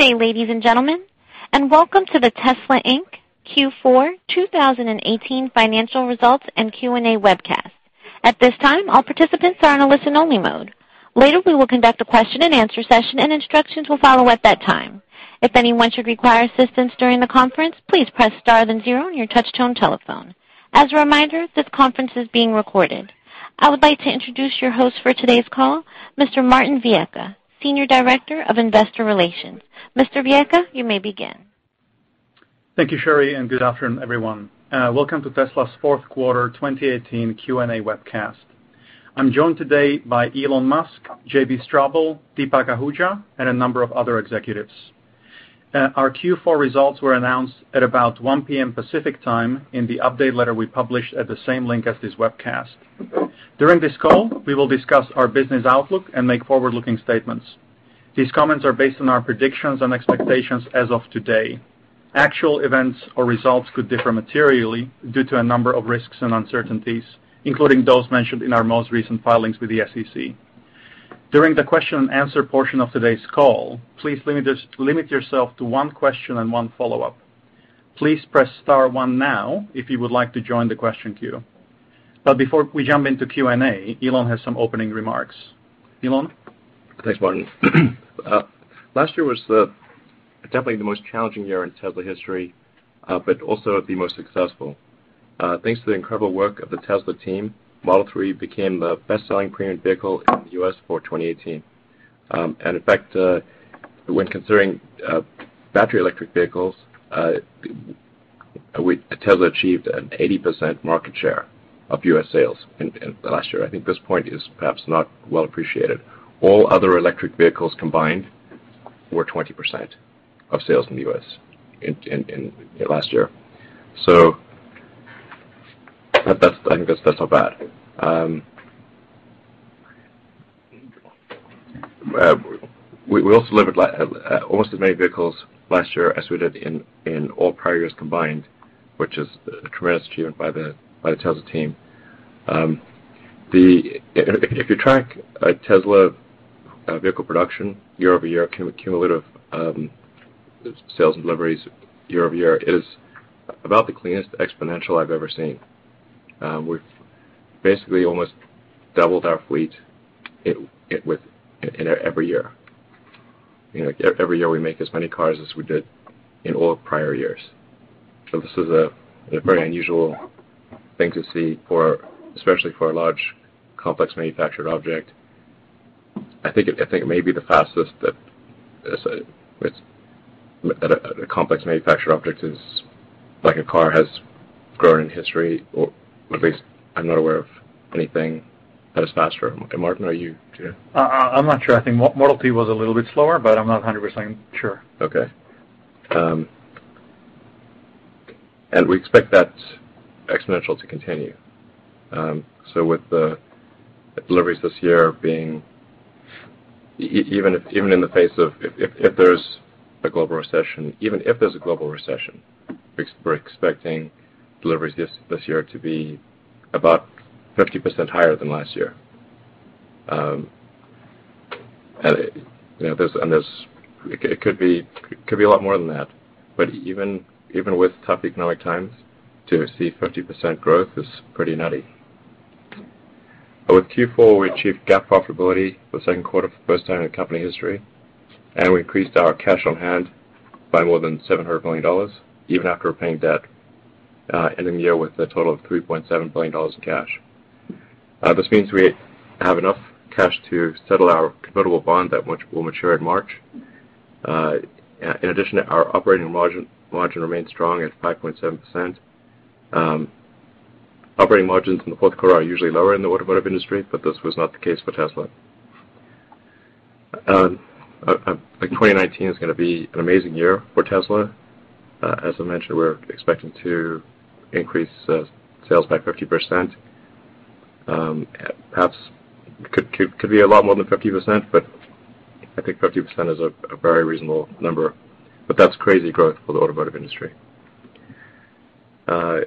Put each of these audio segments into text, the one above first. Good day, ladies and gentlemen, welcome to the Tesla Inc. Q4 2018 financial results and Q&A webcast. At this time, all participants are in a listen-only mode. Later, we will conduct a question-and-answer session, instructions will follow at that time. If anyone should require assistance during the conference, please press star zero on your touch-tone telephone. As a reminder, this conference is being recorded. I would like to introduce your host for today's call, Mr. Martin Viecha, Senior Director of Investor Relations. Mr. Viecha, you may begin. Thank you, Sherry. Good afternoon, everyone. Welcome to Tesla's 4th quarter 2018 Q&A webcast. I'm joined today by Elon Musk, JB Straubel, Deepak Ahuja, and a number of other executives. Our Q4 results were announced at about 1:00 P.M. Pacific Time in the update letter we published at the same link as this webcast. During this call, we will discuss our business outlook and make forward-looking statements. These comments are based on our predictions and expectations as of today. Actual events or results could differ materially due to a number of risks and uncertainties, including those mentioned in our most recent filings with the SEC. During the question and answer portion of today's call, please limit yourself to one question and one follow-up. Please press star one now if you would like to join the question queue. Before we jump into Q&A, Elon has some opening remarks. Elon? Thanks, Martin. Last year was definitely the most challenging year in Tesla history, but also the most successful. Thanks to the incredible work of the Tesla team, Model 3 became the best-selling premium vehicle in the U.S. for 2018. In fact, when considering battery electric vehicles, Tesla achieved an 80% market share of U.S. sales in last year. I think this point is perhaps not well appreciated. All other electric vehicles combined were 20% of sales in the U.S. in last year. I think that's not bad. We also delivered almost as many vehicles last year as we did in all prior years combined, which is a tremendous achievement by the Tesla team. If you track Tesla vehicle production year over year cumulative, sales and deliveries year over year, it is about the cleanest exponential I've ever seen. We've basically almost doubled our fleet in every year. You know, every year we make as many cars as we did in all prior years. This is a very unusual thing to see for, especially for a large, complex manufactured object. I think it may be the fastest that a complex manufactured object as, like a car, has grown in history, or at least I'm not aware of anything that is faster. Martin, are you too? I'm not sure. I think Model T was a little bit slower, but I'm not 100% sure. Okay. We expect that exponential to continue. With the deliveries this year being even if, even in the face of if there's a global recession, even if there's a global recession, we're expecting deliveries this year to be about 50% higher than last year. You know, there's, it could be a lot more than that, but even with tough economic times, to see 50% growth is pretty nutty. With Q4, we achieved GAAP profitability for the second quarter for the first time in company history, and we increased our cash on hand by more than $700 million even after paying debt, ending the year with a total of $3.7 billion in cash. This means we have enough cash to settle our convertible bond that will mature in March. In addition, our operating margin remains strong at 5.7%. Operating margins in the fourth quarter are usually lower in the automotive industry, but this was not the case for Tesla. Like, 2019 is gonna be an amazing year for Tesla. As I mentioned, we're expecting to increase sales by 50%. Perhaps could be a lot more than 50%, but I think 50% is a very reasonable number. That's crazy growth for the automotive industry. I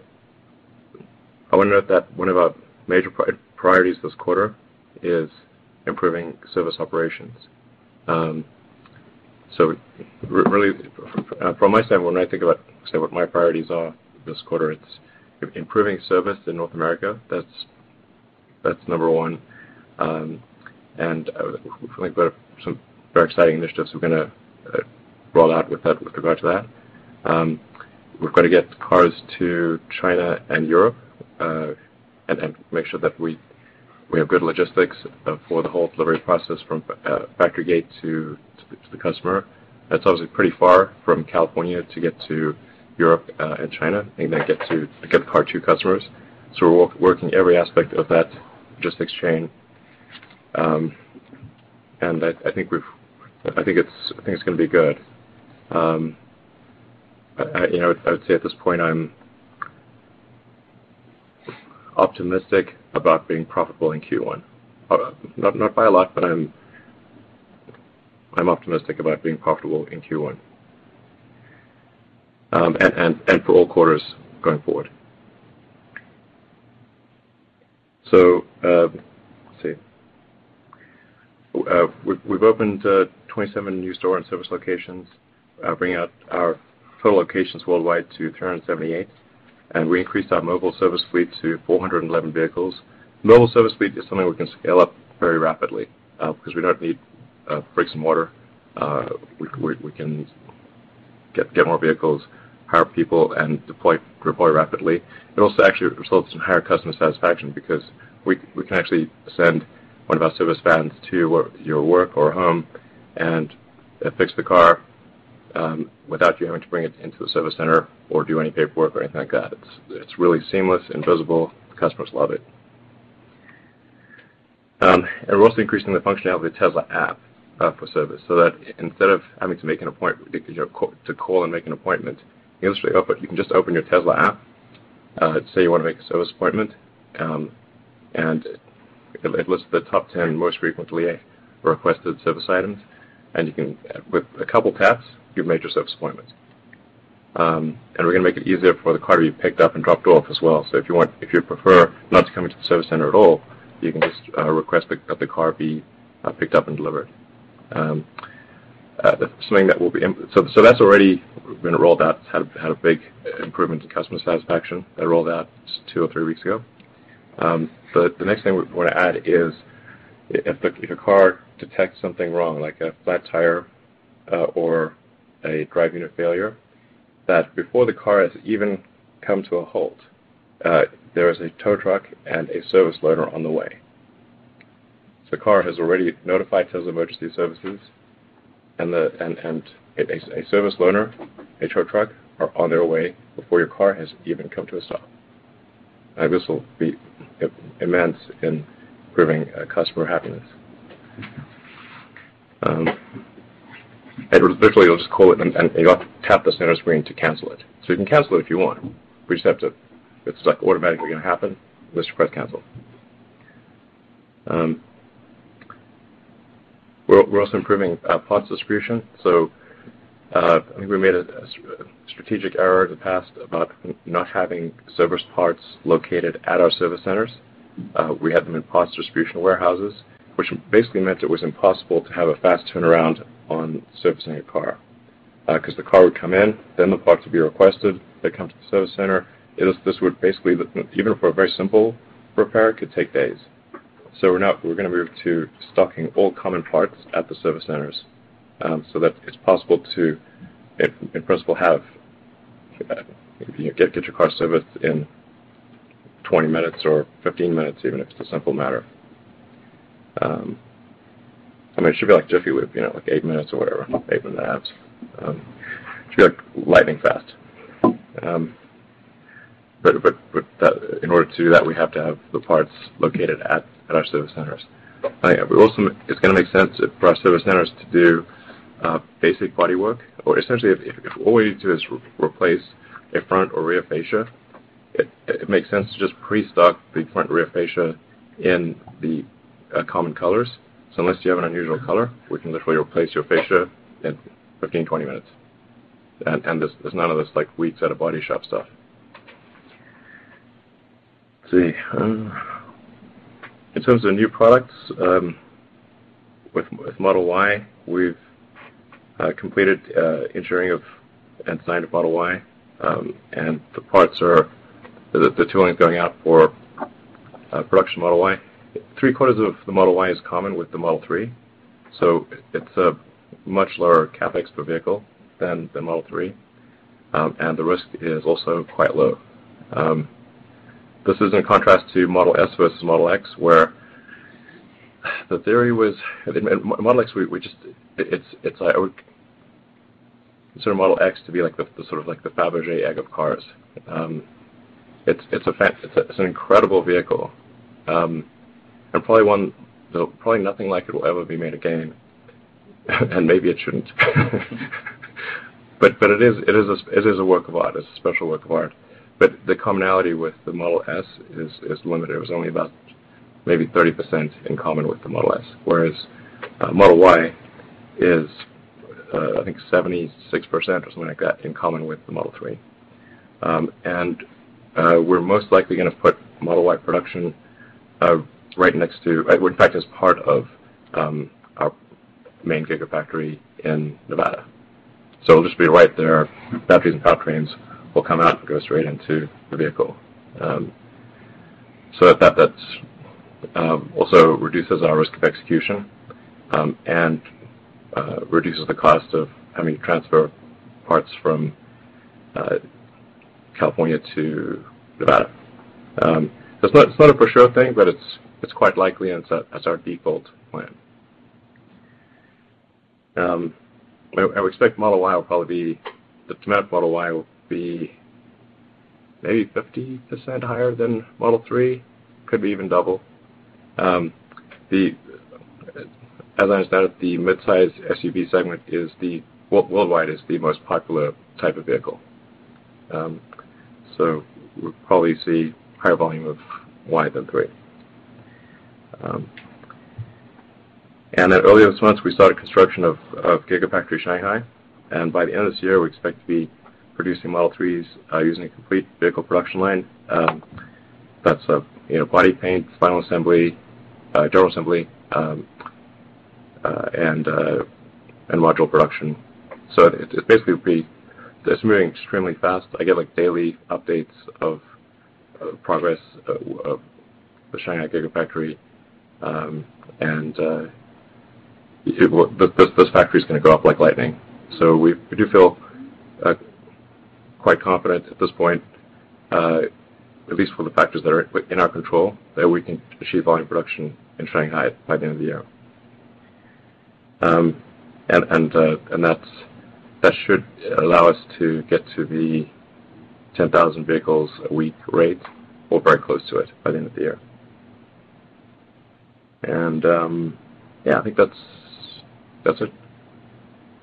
want to note that one of our major priorities this quarter is improving service operations. Really from my standpoint, when I think about what my priorities are this quarter, it's improving service in North America. That's number one. We've got some very exciting initiatives we're gonna roll out with that with regard to that. We've got to get cars to China and Europe and make sure that we have good logistics for the whole delivery process from factory gate to the customer. That's obviously pretty far from California to get to Europe and China and then get the car to customers. We're working every aspect of that logistics chain. I think it's gonna be good. You know, I would say at this point I'm optimistic about being profitable in Q1. Not by a lot, but I'm optimistic about being profitable in Q1. For all quarters going forward. Let's see. We've opened 27 new store and service locations, bringing out our total locations worldwide to 378, and we increased our mobile service fleet to 411 vehicles. Mobile service fleet is something we can scale up very rapidly, because we don't need bricks and mortar. We can get more vehicles, hire people, and deploy rapidly. It also actually results in higher customer satisfaction because we can actually send one of our service vans to your work or home and fix the car, without you having to bring it into a service center or do any paperwork or anything like that. It's really seamless, invisible. The customers love it. We're also increasing the functionality of the Tesla app for service, so that instead of having to make an appointment, because you have to call and make an appointment, you can straight up, you can just open your Tesla app. Let's say you wanna make a service appointment, it lists the top 10 most frequently requested service items, and you can, with a couple taps, you've made your service appointment. We're gonna make it easier for the car to be picked up and dropped off as well. If you want, if you prefer not to come into the service center at all, you can just request that the car be picked up and delivered. That's already been rolled out, had a big improvement in customer satisfaction. That rolled out two or three weeks ago. The next thing we wanna add is if a car detects something wrong, like a flat tire, or a drive unit failure, that before the car has even come to a halt, there is a tow truck and a service loaner on the way. The car has already notified Tesla emergency services and a service loaner, a tow truck are on their way before your car has even come to a stop. This will be immense in improving customer happiness. Literally it'll just call it and you'll have to tap the center screen to cancel it. You can cancel it if you want, but it's like automatically gonna happen unless you press cancel. We're also improving parts distribution. I think we made a strategic error in the past about not having service parts located at our service centers. We had them in parts distribution warehouses, which basically meant it was impossible to have a fast turnaround on servicing a car, because the car would come in, then the parts would be requested. They come to the service center. This would basically, even for a very simple repair, could take days. We're now, we're gonna move to stocking all common parts at the service centers, so that it's possible to, in principle, have, you know, get your car serviced in 20 minutes or 15 minutes even if it's a simple matter. I mean, it should be like Jiffy Lube, you know, like eight minutes or whatever, eight and a half. It should be like lightning fast. But that, in order to do that, we have to have the parts located at our service centers. It's gonna make sense for our service centers to do basic bodywork or essentially if all we need to do is re-replace a front or rear fascia, it makes sense to just pre-stock the front rear fascia in the common colors. Unless you have an unusual color, we can literally replace your fascia in 15, 20 minutes. There's none of this like weeks at a body shop stuff. Let's see. In terms of new products, with Model Y, we've completed engineering of and design of Model Y. The tooling is going out for production Model Y. Three quarters of the Model Y is common with the Model 3, it's a much lower CapEx per vehicle than the Model 3. The risk is also quite low. This is in contrast to Model S versus Model X, where the theory was Model X, it's like I would consider Model X to be like the sort of like the Fabergé egg of cars. It's an incredible vehicle. Probably one, though probably nothing like it will ever be made again, and maybe it shouldn't. It is a work of art. It's a special work of art. The commonality with the Model S is limited. It was only about maybe 30% in common with the Model S. Model Y is, I think 76% or something like that in common with the Model 3. We're most likely gonna put Model Y production right next to, well in fact as part of our main Gigafactory in Nevada. It'll just be right there. Batteries and powertrains will come out and go straight into the vehicle. That's also reduces our risk of execution and reduces the cost of having to transfer parts from California to Nevada. It's not a for sure thing, but it's quite likely, and that's our default plan. I would expect Model Y will probably be, the demand for Model Y will be maybe 50% higher than Model 3, could be even double. As I understand it, the midsize SUV segment is the, well worldwide is the most popular type of vehicle. We'll probably see higher volume of Y than 3. Then earlier this month, we started construction of Gigafactory Shanghai. By the end of this year, we expect to be producing Model 3s using a complete vehicle production line. That's, you know, body paint, final assembly, general assembly, module production. It's moving extremely fast. I get like daily updates of progress of the Shanghai Gigafactory. This factory's gonna go up like lightning. We do feel quite confident at this point, at least for the factors that are in our control, that we can achieve volume production in Shanghai by the end of the year. That's, that should allow us to get to the 10,000 vehicles a week rate or very close to it by the end of the year. Yeah, I think that's it.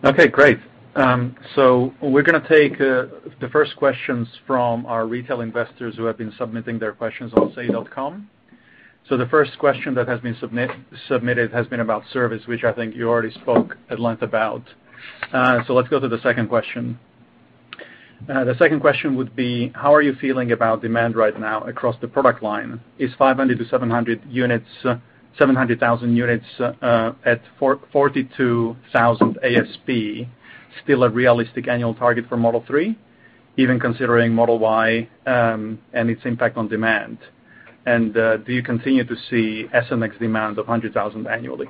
Okay, great. We're gonna take the first questions from our retail investors who have been submitting their questions on say.com. The first question that has been submitted has been about service, which I think you already spoke at length about. Let's go to the second question. The second question would be, how are you feeling about demand right now across the product line? Is 500 to 700 units, 700,000 units, at $42,000 ASP still a realistic annual target for Model 3, even considering Model Y, and its impact on demand? Do you continue to see S and X demand of 100,000 annually?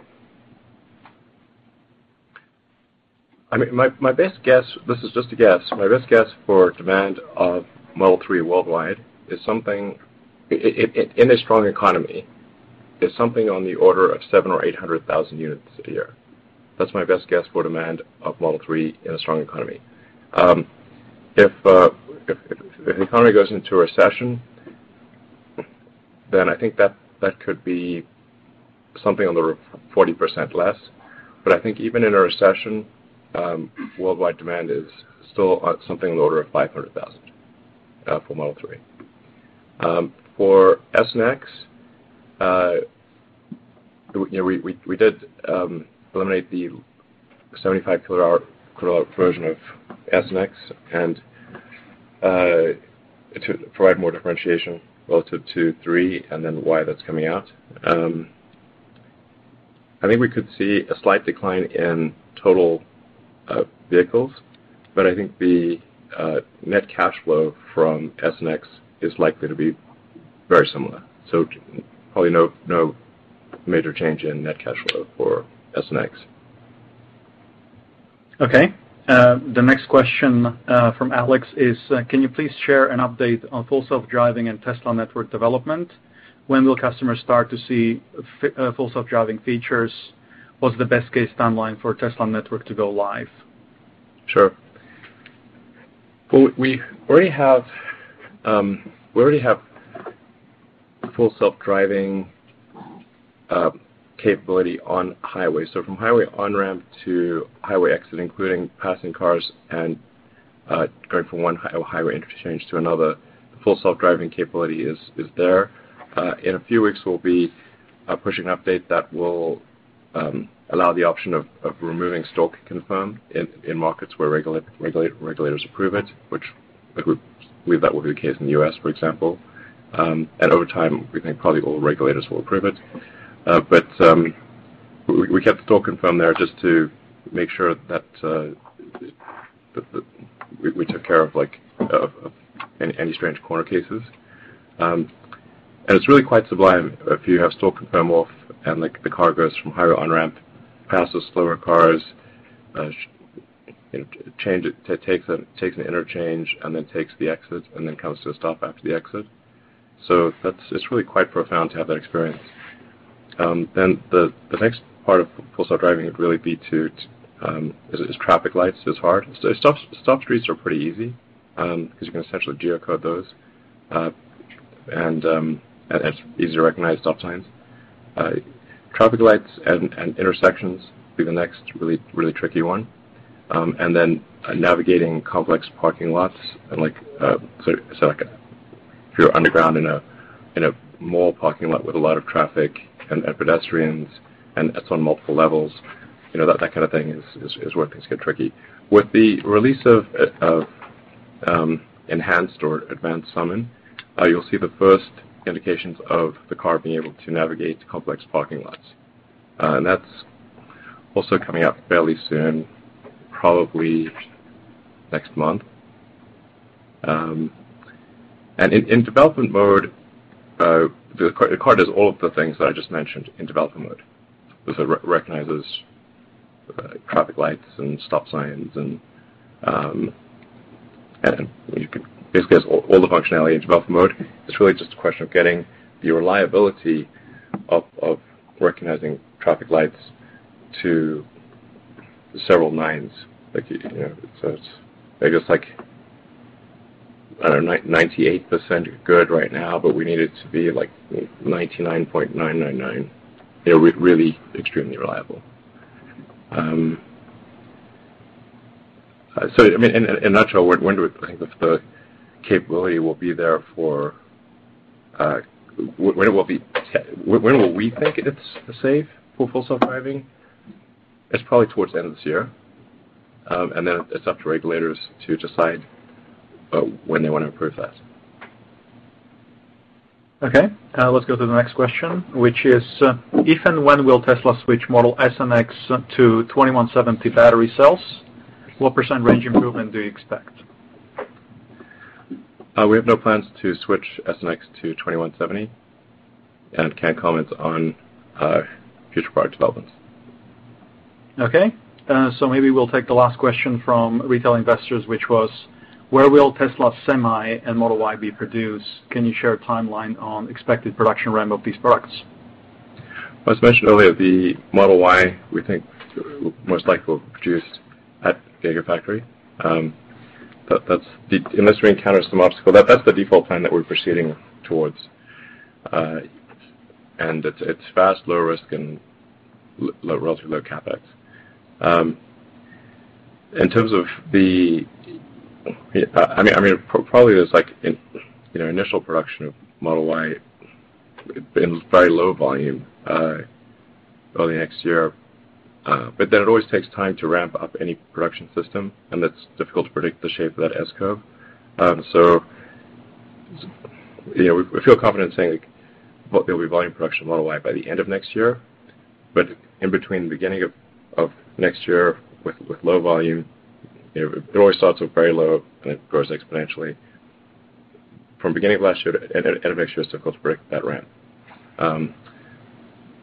I mean, my best guess, this is just a guess. My best guess for demand of Model 3 worldwide in a strong economy, is something on the order of 700,000 or 800,000 units a year. That's my best guess for demand of Model 3 in a strong economy. If the economy goes into a recession, I think that could be something on the order of 40% less. I think even in a recession, worldwide demand is still on something on the order of 500,000 for Model 3. For S and X, you know, we did eliminate the 75 kWh version of S and X to provide more differentiation relative to 3 and then Y that's coming out. I think we could see a slight decline in total vehicles, but I think the net cash flow from S and X is likely to be very similar. Probably no major change in net cash flow for S and X. Okay. The next question from Alex is, can you please share an update on Full Self-Driving and Tesla Network development? When will customers start to see Full Self-Driving features? What's the best case timeline for Tesla Network to go live? Sure. We already have Full Self-Driving capability on highways. From highway on-ramp to highway exit, including passing cars and going from one highway interchange to another, the Full Self-Driving capability is there. In a few weeks, we'll be pushing an update that will allow the option of removing stalk confirm in markets where regulators approve it, which I believe that will be the case in the U.S., for example. Over time, we think probably all regulators will approve it. We kept the stalk confirm there just to make sure that we took care of like any strange corner cases. It's really quite sublime if you have stalk confirm off and like the car goes from highway on-ramp, passes slower cars, you know, takes an interchange and then takes the exit and then comes to a stop after the exit. It's really quite profound to have that experience. The next part of Full Self-Driving would really be to, traffic lights is hard. Stop streets are pretty easy, 'cause you can essentially geocode those, and it's easy to recognize stop signs. Traffic lights and intersections will be the next really tricky one. Then navigating complex parking lots and like, so like if you're underground in a mall parking lot with a lot of traffic and pedestrians and it's on multiple levels, you know, that kind of thing is where things get tricky. With the release of Enhanced or Advanced Summon, you'll see the first indications of the car being able to navigate complex parking lots. That's also coming out fairly soon, probably next month. In development mode, the car does all of the things that I just mentioned in development mode. It recognizes traffic lights and stop signs and you could basically has all the functionality in development mode. It's really just a question of getting the reliability of recognizing traffic lights to several nines. You know, it's 98% good right now, but we need it to be like 99.999%. You know, really extremely reliable. I mean, in a nutshell, when do we think that the capability will be there for when will we think it's safe for Full Self-Driving? It's probably towards the end of this year. It's up to regulators to decide when they wanna approve that. Okay. Let's go to the next question, which is, if and when will Tesla switch Model S and X to 2170 battery cells? What percentage range improvement do you expect? We have no plans to switch S and X to 2170, and can't comment on future product developments. Okay. Maybe we'll take the last question from retail investors, which was, where will Tesla Semi and Model Y be produced? Can you share a timeline on expected production ramp of these products? As mentioned earlier, the Model Y, we think most likely will produce at Gigafactory. That's unless we encounter some obstacle, that's the default plan that we're proceeding towards. It's fast, low risk and relatively low CapEx. In terms of the, I mean, probably there's like in, you know, initial production of Model Y in very low volume early next year. It always takes time to ramp up any production system, and it's difficult to predict the shape of that S-curve. You know, we feel confident saying, like, well, there'll be volume production Model Y by the end of next year, but in between the beginning of next year with low volume, you know, it always starts off very low, and it grows exponentially. From beginning of last year to end of next year, it's difficult to predict that ramp.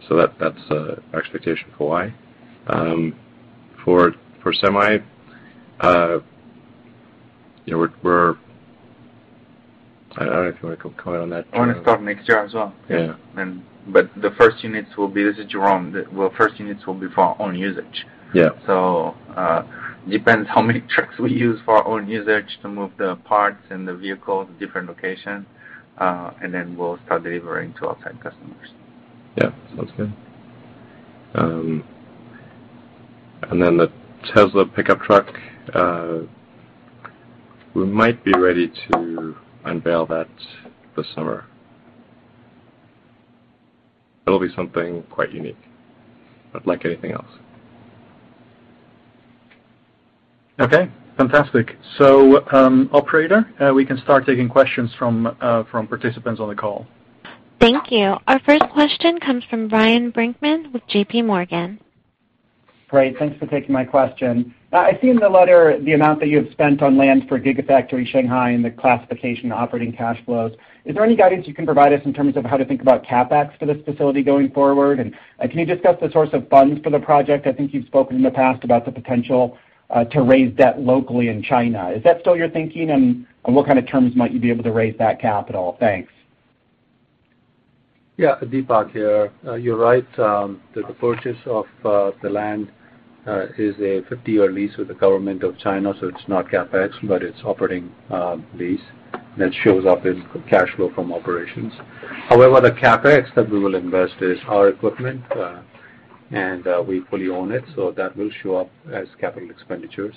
That's our expectation for Y. For Semi, you know, we're I don't know if you wanna comment on that, Jérôme. Wanna start next year as well. Yeah. The first units will be for our own usage. Yeah. Depends how many trucks we use for our own usage to move the parts and the vehicles, different location, and then we'll start delivering to outside customers. Yeah. Sounds good. The Tesla pickup truck, we might be ready to unveil that this summer. It'll be something quite unique, not like anything else. Okay. Fantastic. Operator, we can start taking questions from participants on the call. Thank you. Our first question comes from Ryan Brinkman with J.P. Morgan. Great. Thanks for taking my question. I've seen the letter, the amount that you have spent on land for Gigafactory Shanghai and the classification operating cash flows. Is there any guidance you can provide us in terms of how to think about CapEx for this facility going forward? Can you discuss the source of funds for the project? I think you've spoken in the past about the potential to raise debt locally in China. Is that still your thinking? What kind of terms might you be able to raise that capital? Thanks. Yeah. Deepak here. You're right. The purchase of the land is a 50-year lease with the government of China, so it's not CapEx, but it's operating lease that shows up in cash flow from operations. However, the CapEx that we will invest is our equipment, and we fully own it, so that will show up as capital expenditures.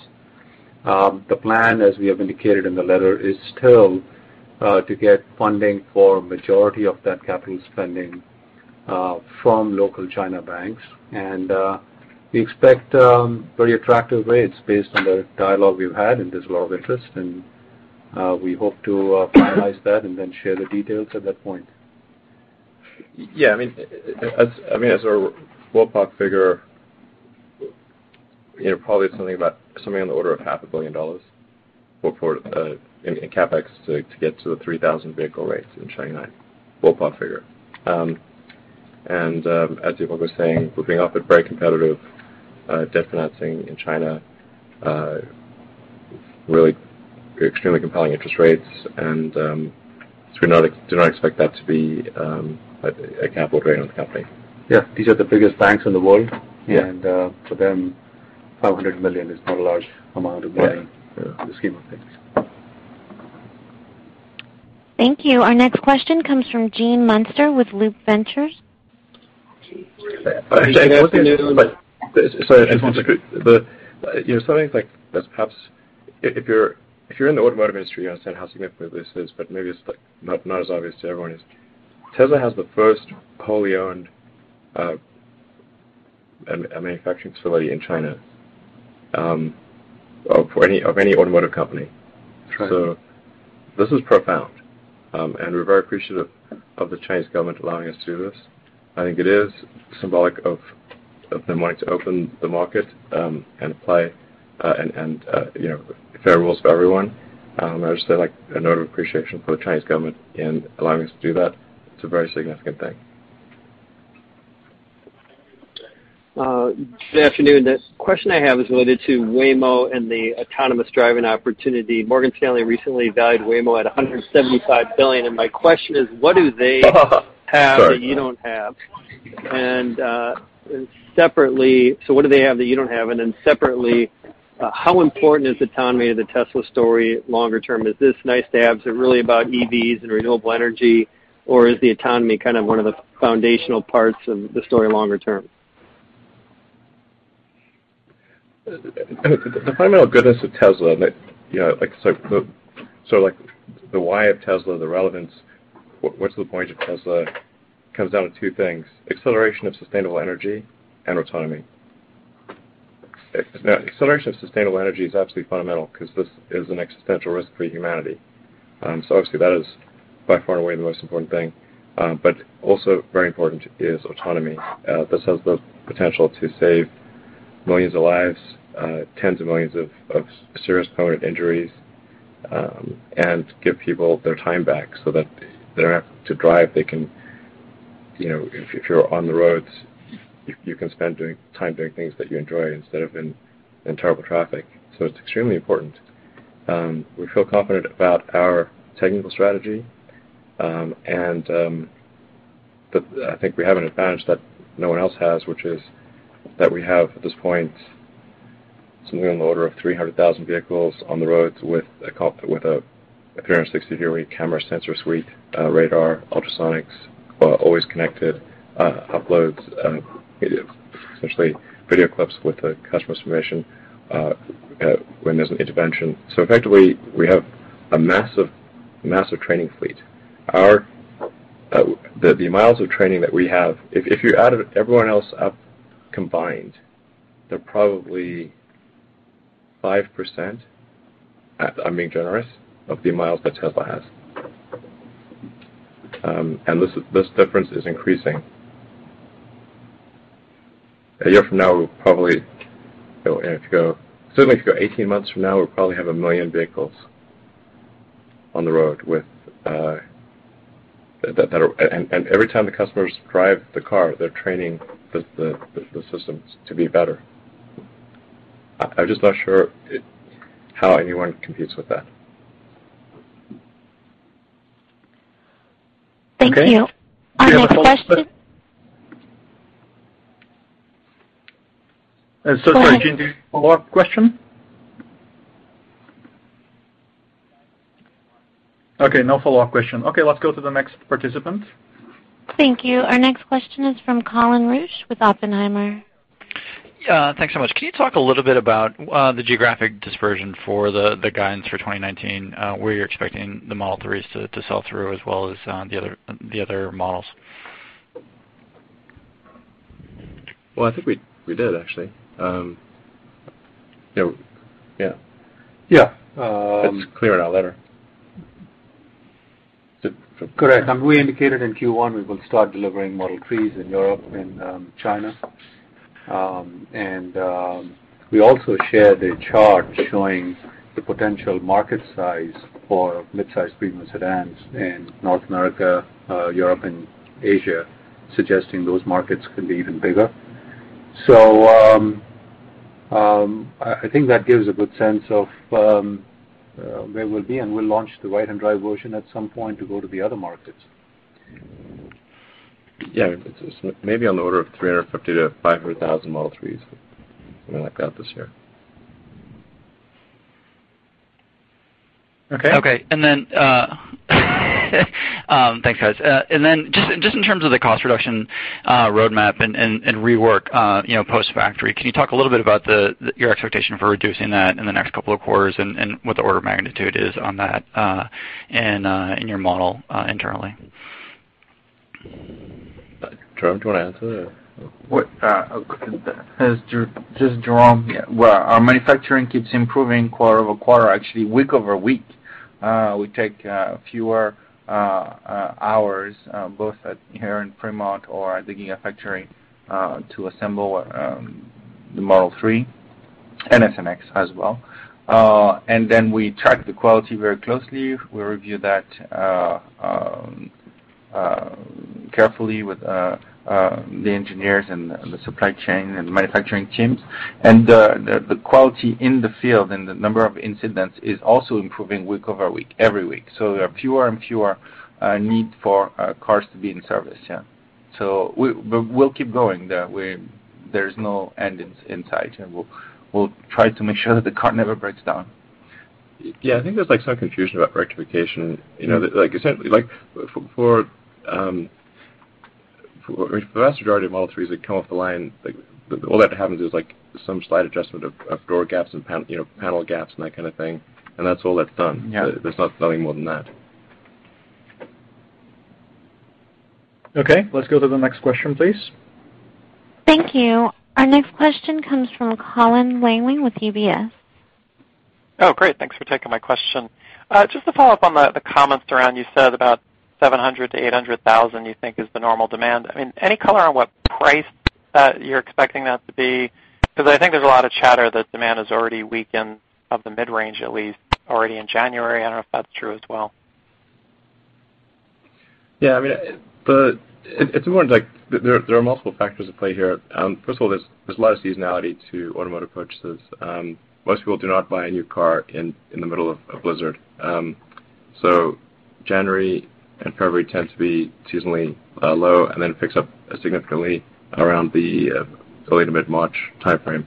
The plan, as we have indicated in the letter, is still to get funding for majority of that capital spending from local China banks. We expect very attractive rates based on the dialogue we've had and there's a lot of interest, and we hope to finalize that and then share the details at that point. Yeah, I mean, as a ballpark figure, you know, probably something on the order of $500,000 for CapEx to get to a 3,000 vehicle rate in Shanghai, ballpark figure. As Deepak was saying, we're being offered very competitive debt financing in China, really extremely compelling interest rates, and we do not expect that to be a capital drain on the company. Yeah. These are the biggest banks in the world. Yeah For them, $500 million is not a large amount of money. Yeah in the scheme of things. Thank you. Our next question comes from Gene Munster with Loup Ventures. Just to be, you know, something like that's perhaps if you're in the automotive industry, you understand how significant this is, but maybe it's like not as obvious to everyone is Tesla has the first wholly owned a manufacturing facility in China for any automotive company. That's right. This is profound. We're very appreciative of the Chinese government allowing us to do this. I think it is symbolic of them wanting to open the market, and apply, you know, fair rules for everyone. I just say like a note of appreciation for the Chinese government in allowing us to do that. It's a very significant thing. Good afternoon. The question I have is related to Waymo and the autonomous driving opportunity. Morgan Stanley recently valued Waymo at $175 billion. Sorry. Have that you don't have? Separately, what do they have that you don't have? Separately, how important is autonomy to the Tesla story longer term? Is this nice to have? Is it really about EVs and renewable energy, or is the autonomy kind of one of the foundational parts of the story longer term? The fundamental goodness of Tesla that, you know, like, the why of Tesla, the relevance, what's the point of Tesla comes down to two things, acceleration of sustainable energy and autonomy. Acceleration of sustainable energy is absolutely fundamental 'cause this is an existential risk for humanity. Obviously that is by far and away the most important thing. Also very important is autonomy. This has the potential to save millions of lives, tens of millions of serious permanent injuries, and give people their time back so that they don't have to drive. They can, you know, if you're on the roads, you can spend time doing things that you enjoy instead of in terrible traffic. It's extremely important. We feel confident about our technical strategy, I think we have an advantage that no one else has, which is that we have, at this point, something on the order of 300,000 vehicles on the roads with a 360 degree camera sensor suite, radar, ultrasonics, always connected, uploads, essentially video clips with the customer's permission, when there's an intervention. Effectively, we have a massive training fleet. Our miles of training that we have, if you added everyone else up combined, they're probably 5%, I'm being generous, of the miles that Tesla has. This difference is increasing. A year from now, we'll probably, you know, if you go Certainly if you go 18 months from now, we'll probably have 1 million vehicles on the road with that are and every time the customers drive the car, they're training the systems to be better. I'm just not sure how anyone competes with that. Thank you. Okay. Do you have a follow-up question? Our next question. Sorry, Gene. Do you have a follow-up question? No follow-up question. let's go to the next participant. Thank you. Our next question is from Colin Rusch with Oppenheimer. Yeah. Thanks so much. Can you talk a little bit about the geographic dispersion for the guidance for 2019, where you're expecting the Model 3s to sell through as well as the other models? Well, I think we did actually. You know, yeah. Yeah. It's clear in our letter. Correct. We indicated in Q1 we will start delivering Model 3s in Europe and China. We also shared a chart showing the potential market size for midsize premium sedans in North America, Europe and Asia, suggesting those markets could be even bigger. I think that gives a good sense of where we'll be, and we'll launch the right-hand drive version at some point to go to the other markets. Yeah. It's maybe on the order of 350,000-500,000 Model 3s, something like that this year. Okay. Okay. Thanks, guys. Just in terms of the cost reduction roadmap and rework, you know, post-factory, can you talk a little bit about your expectation for reducing that in the next couple of quarters and what the order of magnitude is on that and in your model internally? Jérôme, do you wanna answer that or- Its Jérôme. Just Jérôme. Yeah. Well, our manufacturing keeps improving QoQ, actually week over week. We take fewer hours both at here in Fremont or at the Gigafactory to assemble the Model 3 and S and X as well. We track the quality very closely. We review that carefully with the engineers and the supply chain and the manufacturing teams. The quality in the field and the number of incidents is also improving week over week, every week. There are fewer and fewer need for cars to be in service, yeah. We'll keep going. There's no end in sight, and we'll try to make sure that the car never breaks down. Yeah. I think there's, like, some confusion about rectification. You know, like essentially, like for, I mean, for the vast majority of Model 3s that come off the line, like all that happens is like some slight adjustment of door gaps and you know, panel gaps and that kind of thing, and that's all that's done. Yeah. There's not nothing more than that. Okay, let's go to the next question, please. Thank you. Our next question comes from Colin Langan with UBS. Great. Thanks for taking my question. Just to follow up on the comments around you said about 700,000-800,000 you think is the normal demand. I mean, any color on what price you're expecting that to be? 'Cause I think there's a lot of chatter that demand has already weakened of the Mid Range at least already in January. I don't know if that's true as well. Yeah, I mean, it's important, like there are multiple factors at play here. First of all, there's a lot of seasonality to automotive purchases. Most people do not buy a new car in the middle of blizzard. January and February tend to be seasonally low and then picks up significantly around the late to mid-March timeframe.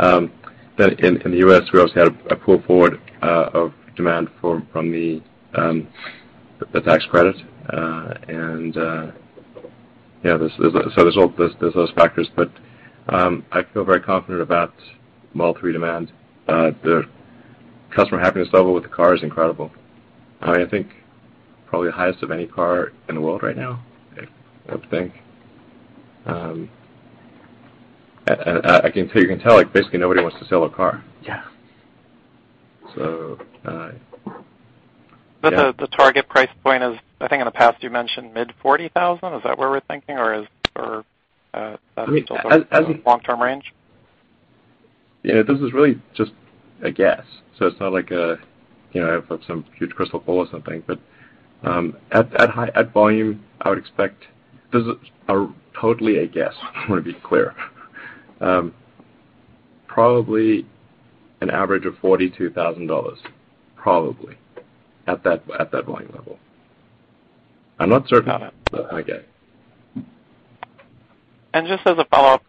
In the U.S., we also have a pull forward of demand from the tax credit. Yeah, there's those factors. I feel very confident about Model 3 demand. The customer happiness level with the car is incredible. I mean, I think probably the highest of any car in the world right now, I would think. I can tell, you can tell, like, basically nobody wants to sell a car. Yeah. Yeah. The target price point is, I think in the past you mentioned mid-$40,000. Is that where we're thinking, or that's still the- I mean. Long-term range? This is really just a guess. It's not like a, you know, I have some huge crystal ball or something. At high volume, I would expect. This is totally a guess, I want to be clear. Probably an average of $42,000, probably at that volume level. I'm not certain. Got it. I get it. Just as a follow-up,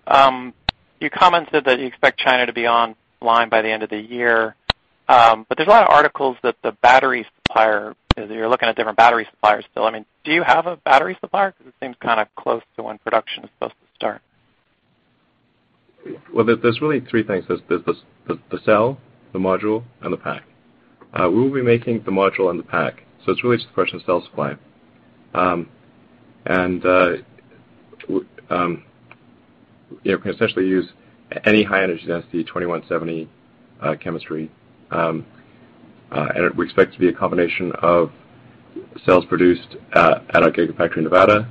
you commented that you expect China to be online by the end of the year. There's a lot of articles that the battery supplier, you're looking at different battery suppliers still. I mean, do you have a battery supplier? 'Cause it seems kinda close to when production is supposed to start. Well, there's really three things. There's the cell, the module, and the pack. We'll be making the module and the pack, so it's really just a question of cell supply. You know, we can essentially use any high energy density 2170 chemistry. We expect it to be a combination of cells produced at our Gigafactory in Nevada,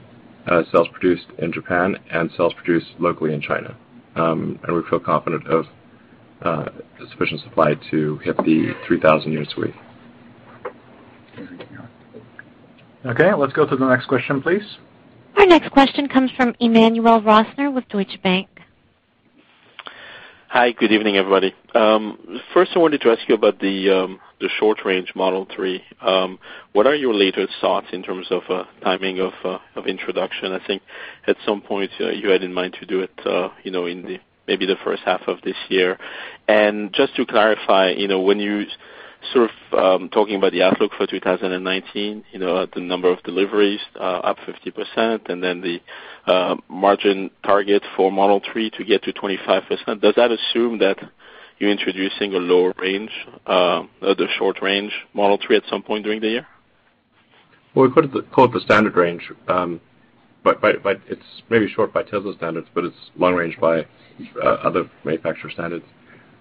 cells produced in Japan, and cells produced locally in China. We feel confident of sufficient supply to hit the 3,000 units a week. Okay, let's go to the next question, please. Our next question comes from Emmanuel Rosner with Deutsche Bank. Hi, good evening, everybody. First I wanted to ask you about the short-range Model 3. What are your latest thoughts in terms of timing of introduction? I think at some point you had in mind to do it, you know, in the, maybe the first half of this year. Just to clarify, you know, when you sort of talking about the outlook for 2019, you know, the number of deliveries up 50%, then the margin target for Model 3 to get to 25%, does that assume that you're introducing a lower range, the short range Model 3 at some point during the year? Well, we call it the standard range. It's maybe short by Tesla standards, but it's long range by other manufacturer standards.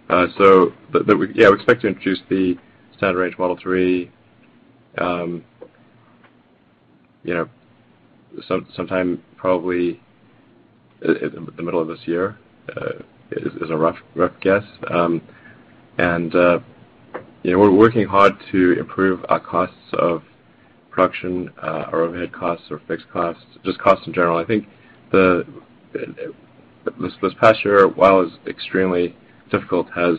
We expect to introduce the Standard Range Model 3, you know, sometime probably in the middle of this year is a rough guess. You know, we're working hard to improve our costs of production, our overhead costs, our fixed costs, just costs in general. I think the past year, while it was extremely difficult, has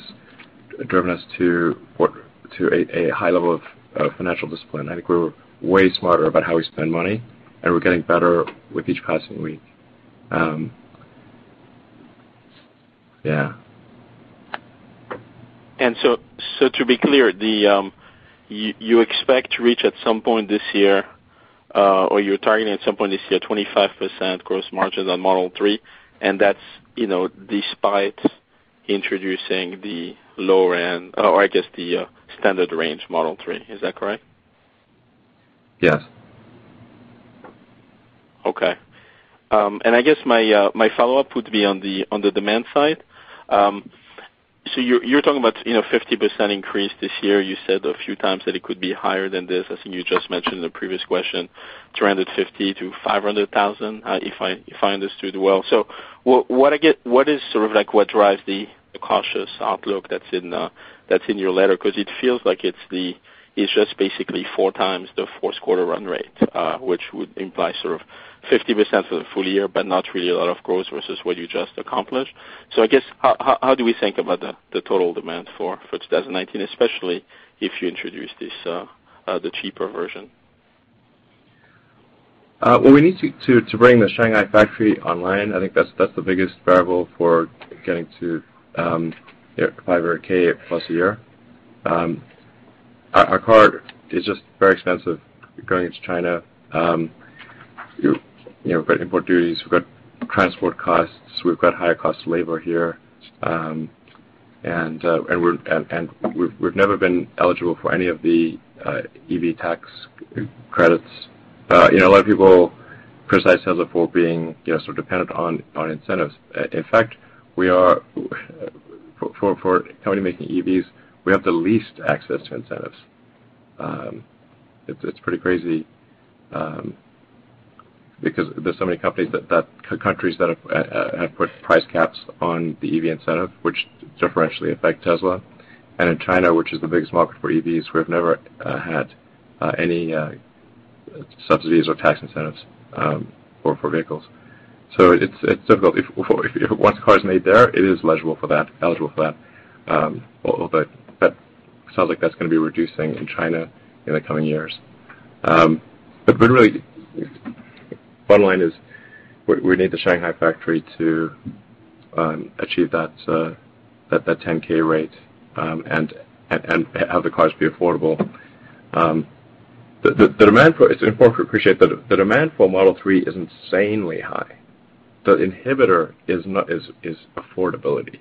driven us to work to a high level of financial discipline. I think we're way smarter about how we spend money, and we're getting better with each passing week. To be clear, you expect to reach at some point this year, or you're targeting at some point this year, 25% gross margins on Model 3, and that's, you know, despite introducing the lower end or I guess the Standard Range Model 3. Is that correct? Yes. Okay. I guess my follow-up would be on the demand side. You're talking about, you know, 50% increase this year. You said a few times that it could be higher than this. I think you just mentioned the previous question, 350,000 to 500,000, if I understood well. What is sort of like what drives the cautious outlook that's in your letter? It feels like it's just basically 4x the fourth quarter run rate, which would imply sort of 50% for the full year, but not really a lot of growth versus what you just accomplished. I guess, how do we think about the total demand for 2019, especially if you introduce this, the cheaper version? Well, we need to bring the Shanghai factory online. I think that's the biggest variable for getting to, you know, 500,000 a year. Our car is just very expensive going into China. You know, we've got import duties, we've got transport costs, we've got higher cost of labor here. We've never been eligible for any of the EV tax credits. You know, a lot of people criticize Tesla for being, you know, sort of dependent on incentives. In fact, we are, for a company making EVs, we have the least access to incentives. It's pretty crazy because there's so many countries that have put price caps on the EV incentive, which differentially affect Tesla. In China, which is the biggest market for EVs, we've never had any subsidies or tax incentives for vehicles. It's difficult. If once a car is made there, it is eligible for that. That sounds like that's gonna be reducing in China in the coming years. Really, bottom line is we need the Shanghai factory to achieve that 10,000 rate and have the cars be affordable. The demand for it's important to appreciate the demand for Model 3 is insanely high. The inhibitor is affordability.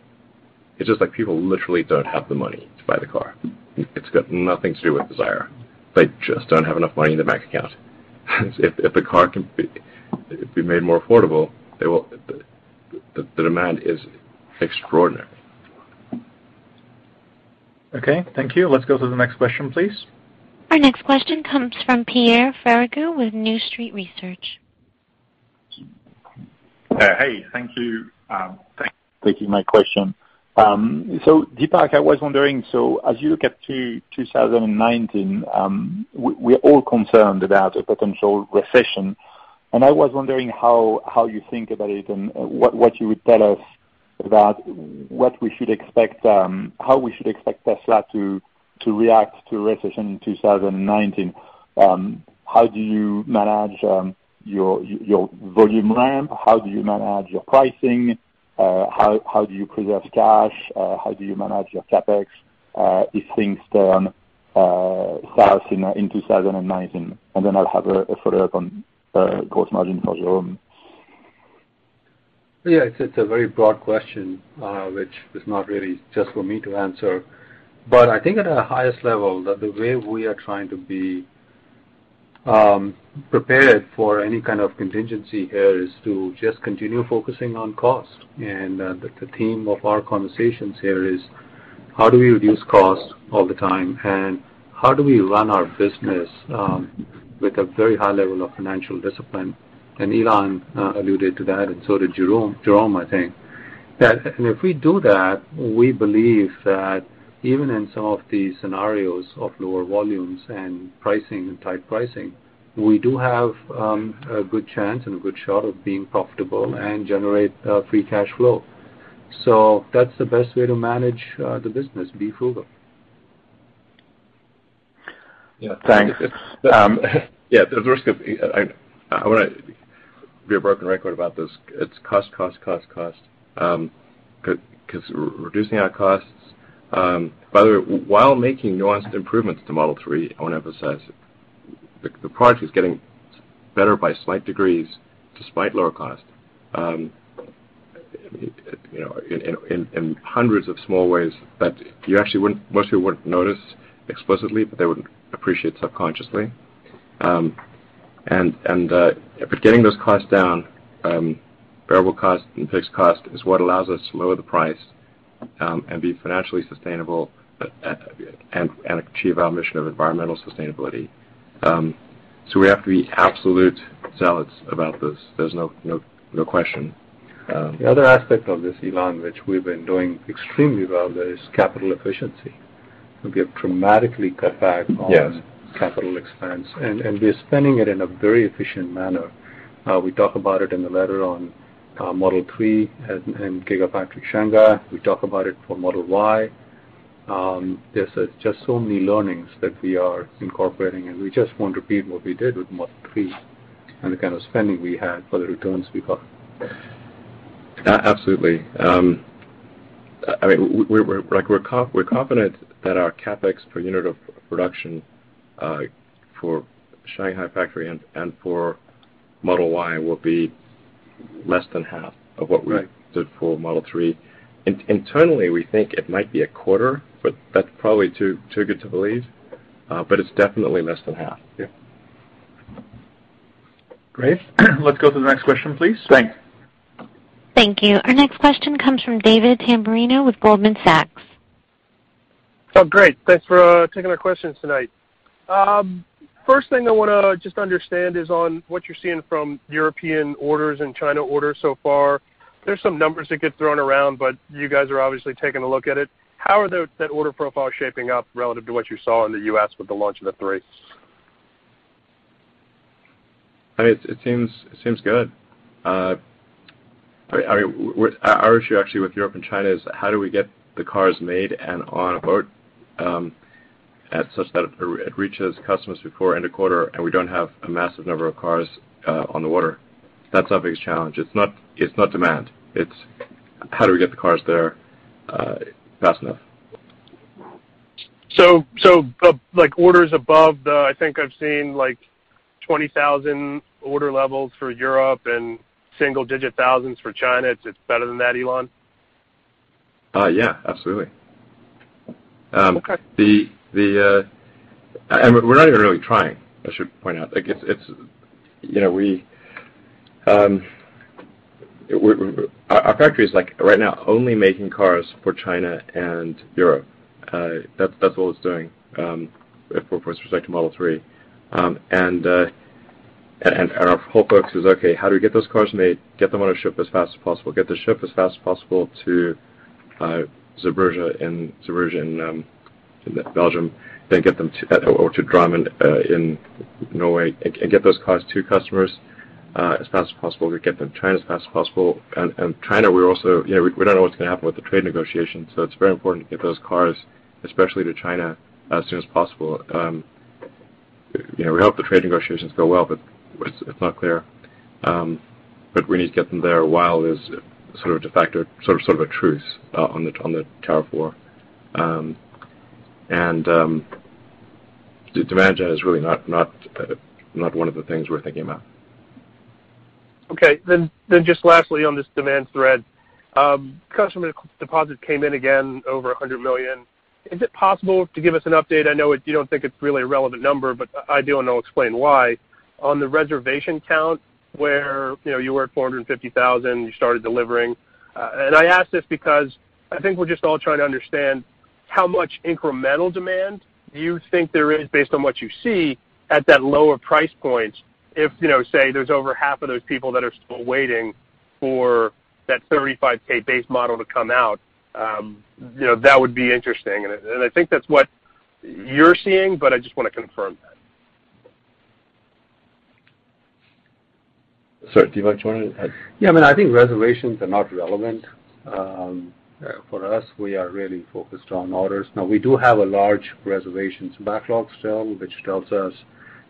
It's just like people literally don't have the money to buy the car. It's got nothing to do with desire. They just don't have enough money in their bank account. If the car can be made more affordable, they will. The demand is extraordinary. Okay, thank you. Let's go to the next question, please. Our next question comes from Pierre Ferragu with New Street Research. Hey. Thank you, thank you for taking my question. Deepak, I was wondering, as you look at 2019, we're all concerned about a potential recession. I was wondering how you think about it and what you would tell us about what we should expect, how we should expect Tesla to react to recession in 2019. How do you manage your volume ramp? How do you manage your pricing? How do you preserve cash? How do you manage your CapEx if things turn south in 2019? I'll have a follow-up on gross margin for Jérôme. Yeah, it's a very broad question, which is not really just for me to answer. I think at our highest level, that the way we are trying to be prepared for any kind of contingency here is to just continue focusing on cost. The theme of our conversations here is how do we reduce costs all the time, and how do we run our business with a very high level of financial discipline? Elon alluded to that, and so did Jérôme, I think. If we do that, we believe that even in some of these scenarios of lower volumes and pricing and tight pricing, we do have a good chance and a good shot of being profitable and generate free cash flow. That's the best way to manage the business, be frugal. Yeah, thanks. Yeah, there's a risk of, I wanna be a broken record about this. It's cost, cost. 'Cause reducing our costs, by the way, while making nuanced improvements to Model 3, I wanna emphasize the product is getting better by slight degrees despite lower cost. You know, in hundreds of small ways that you actually wouldn't, most people wouldn't notice explicitly, but they would appreciate subconsciously. And getting those costs down, variable cost and fixed cost is what allows us to lower the price and be financially sustainable and achieve our mission of environmental sustainability. We have to be absolute zealots about this. There's no question. The other aspect of this, Elon, which we've been doing extremely well, is capital efficiency. We have dramatically cut back on- Yes. CapEx, and we're spending it in a very efficient manner. We talk about it in the letter on Model 3 and Gigafactory Shanghai. We talk about it for Model Y. There's just so many learnings that we are incorporating, and we just want to repeat what we did with Model 3 and the kind of spending we had for the returns we got. Absolutely. I mean, we're confident that our CapEx per unit of production for Shanghai factory and for Model Y will be less than half of what we- Right -did for Model 3. internally, we think it might be a quarter, but that's probably too good to believe. it's definitely less than half. Yeah. Great. Let's go to the next question, please. Thanks. Thank you. Our next question comes from David Tamberrino with Goldman Sachs. Great. Thanks for taking our questions tonight. First thing I wanna just understand is on what you're seeing from European orders and China orders so far. There's some numbers that get thrown around, but you guys are obviously taking a look at it. How are those, that order profile shaping up relative to what you saw in the U.S. with the launch of the Model 3? I mean, it seems good. I mean, our issue actually with Europe and China is how do we get the cars made and on a boat at such that it reaches customers before end of quarter, and we don't have a massive number of cars on the water. That's our biggest challenge. It's not demand. It's how do we get the cars there fast enough. Like, orders above the, I think I've seen like 20,000 order levels for Europe and single-digit thousands for China. It's better than that, Elon? Yeah, absolutely. Okay. We're not even really trying, I should point out. Like, it's, you know, we, our factory is like right now only making cars for China and Europe. That's all it's doing for perspective Model 3. Our whole focus is, okay, how do we get those cars made, get them on a ship as fast as possible, get the ship as fast as possible to Zeebrugge in Belgium, then get them to Drammen in Norway, and get those cars to customers as fast as possible to get them to China as fast as possible. China, we're also, you know, we don't know what's gonna happen with the trade negotiations, so it's very important to get those cars, especially to China, as soon as possible. You know, we hope the trade negotiations go well, but it's not clear. We need to get them there while there's sort of de facto, sort of a truce on the tariff war. Demand gen is really not one of the things we're thinking about. Okay. Just lastly on this demand thread, customer deposit came in again over $100 million. Is it possible to give us an update? I know you don't think it's really a relevant number, but I do and I'll explain why. On the reservation count, where, you know, you were at 450,000, you started delivering. I ask this because I think we're just all trying to understand how much incremental demand do you think there is based on what you see at that lower price point. If, you know, say, there's over half of those people that are still waiting for that $35,000 base model to come out, you know, that would be interesting. I think that's what you're seeing, but I just want to confirm that. Sorry, do you want to add? Yeah, I mean, I think reservations are not relevant for us. We are really focused on orders. We do have a large reservations backlog still, which tells us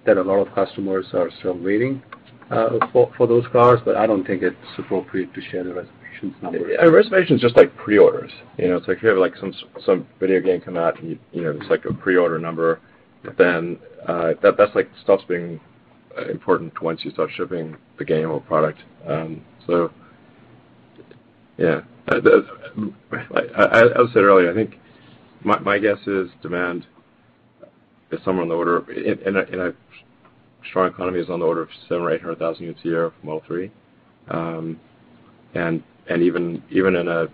that a lot of customers are still waiting for those cars, but I don't think it's appropriate to share the reservations number. A reservation's just like pre-orders. You know, it's like if you have, like, some video game come out and you know, there's like a pre-order number, but then that, like, stops being important once you start shipping the game or product. I said earlier, I think my guess is demand is somewhere on the order of in a strong economy is on the order of 700,000 or 800,000 units a year from Model 3. Even in a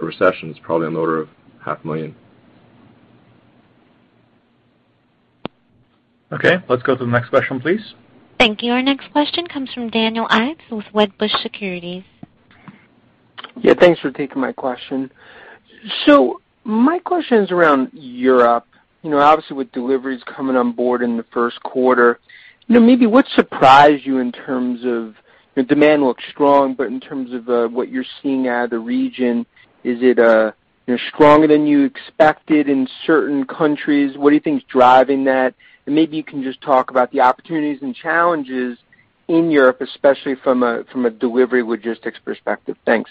recession, it's probably on the order of half a million. Okay, let's go to the next question, please. Thank you. Our next question comes from Daniel Ives with Wedbush Securities. Yeah, thanks for taking my question. My question's around Europe. You know, obviously with deliveries coming on board in the first quarter, you know, maybe what surprised you in terms of, you know, demand looks strong, but in terms of what you're seeing out of the region, is it, you know, stronger than you expected in certain countries? What do you think is driving that? Maybe you can just talk about the opportunities and challenges in Europe, especially from a delivery logistics perspective. Thanks.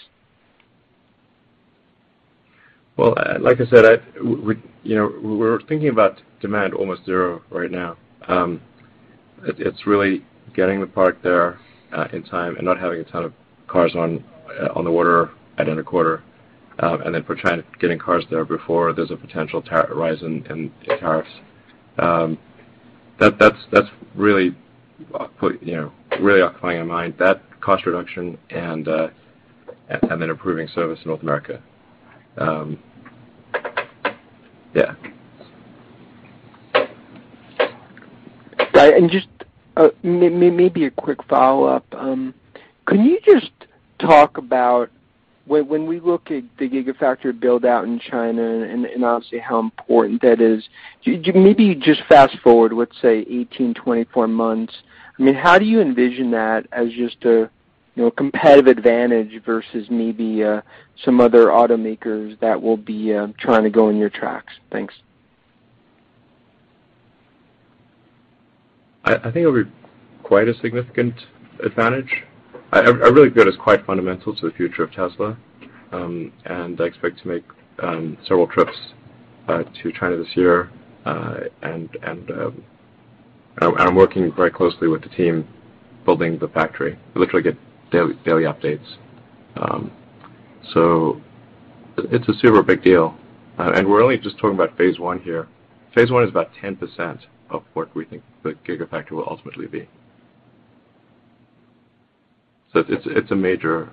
Like I said, we're thinking about demand almost zero right now. It's really getting the part there in time and not having a ton of cars on the water at end of quarter. For China, getting cars there before there's a potential tariff rise in tariffs. That's really, you know, really occupying our mind. That, cost reduction and then improving service in North America. Yeah. Right. Just, maybe a quick follow-up. Can you just talk about when we look at the Gigafactory build-out in China and obviously how important that is, maybe just fast-forward, let's say, 18, 24 months. I mean, how do you envision that as just a, you know, competitive advantage versus maybe some other automakers that will be trying to go in your tracks? Thanks. I think it'll be quite a significant advantage. I really view it as quite fundamental to the future of Tesla. I expect to make several trips to China this year. I'm working very closely with the team building the factory. I literally get daily updates. It's a super big deal. We're only just talking about phase I here. Phase I is about 10% of what we think the Gigafactory will ultimately be. It's a major,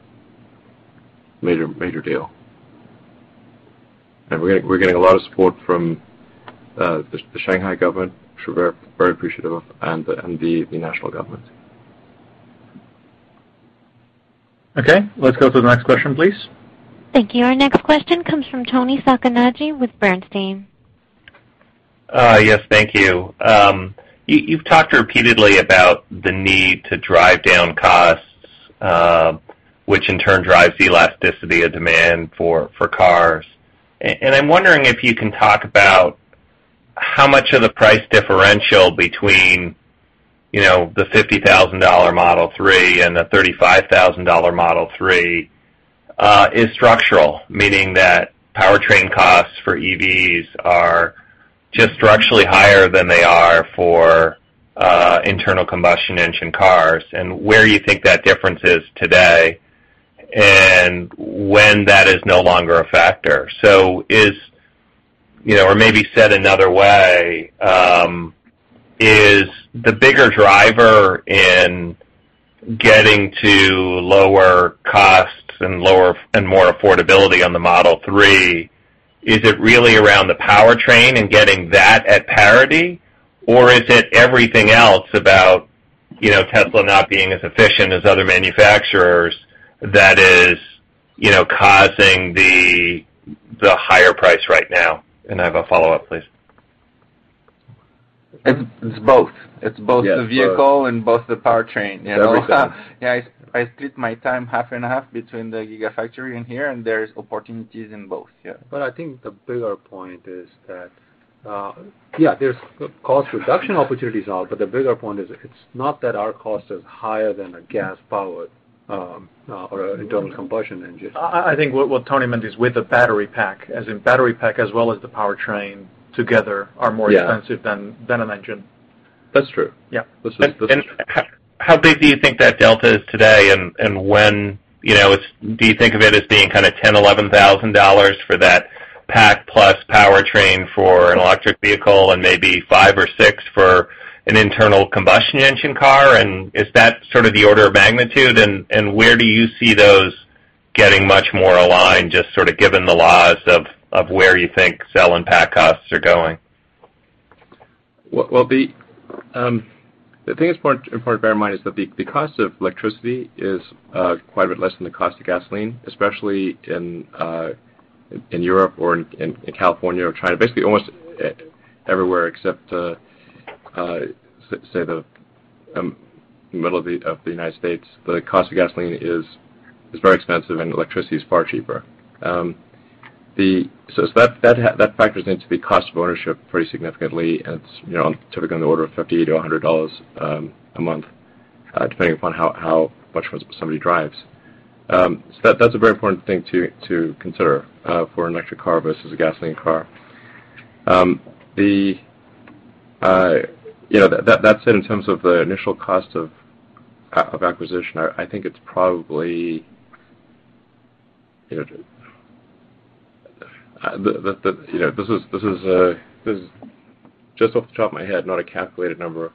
major deal. We're getting a lot of support from the Shanghai government, which we're very, very appreciative of, and the national government. Okay, let's go to the next question, please. Thank you. Our next question comes from Toni Sacconaghi with Bernstein. Yes, thank you. You've talked repeatedly about the need to drive down costs, which in turn drives the elasticity of demand for cars. I'm wondering if you can talk about how much of the price differential between, you know, the $50,000 Model 3 and the $35,000 Model 3, is structural, meaning that powertrain costs for EVs are just structurally higher than they are for internal combustion engine cars and where you think that difference is today and when that is no longer a factor. Is, you know, or maybe said another way, is the bigger driver in getting to lower costs and lower and more affordability on the Model 3, is it really around the powertrain and getting that at parity? Is it everything else about, you know, Tesla not being as efficient as other manufacturers that is, you know, causing the higher price right now? I have a follow-up, please. It's both. Yes, both. -the vehicle and both the powertrain. You know. Both. Yeah, I split my time half and half between the Gigafactory and here, and there's opportunities in both. Yeah. I think the bigger point is that, yeah, there's cost reduction opportunities out, but the bigger point is it's not that our cost is higher than a gas-powered internal combustion engine. I think what Toni meant is with the battery pack, as in battery pack as well as the powertrain together. Yeah -are more expensive than an engine. That's true. Yeah. This is true. How, how big do you think that delta is today? When, you know, do you think of it as being kinda $10,000, $11,000 for that pack plus powertrain for an electric vehicle and maybe five or six for an internal combustion engine car? Is that sort of the order of magnitude? Where do you see those getting much more aligned, just sort of given the laws of where you think cell and pack costs are going? Well, the thing that's important to bear in mind is that the cost of electricity is quite a bit less than the cost of gasoline, especially in Europe or in California or China. Basically, almost everywhere except say the middle of the U.S. The cost of gasoline is very expensive and electricity is far cheaper. That factors into the cost of ownership pretty significantly, and it's, you know, typically on the order of $50-$100 a month, depending upon how much somebody drives. That's a very important thing to consider for an electric car versus a gasoline car. The, you know, that said, in terms of the initial cost of acquisition, I think it's probably, you know the, you know, this is just off the top of my head, not a calculated number.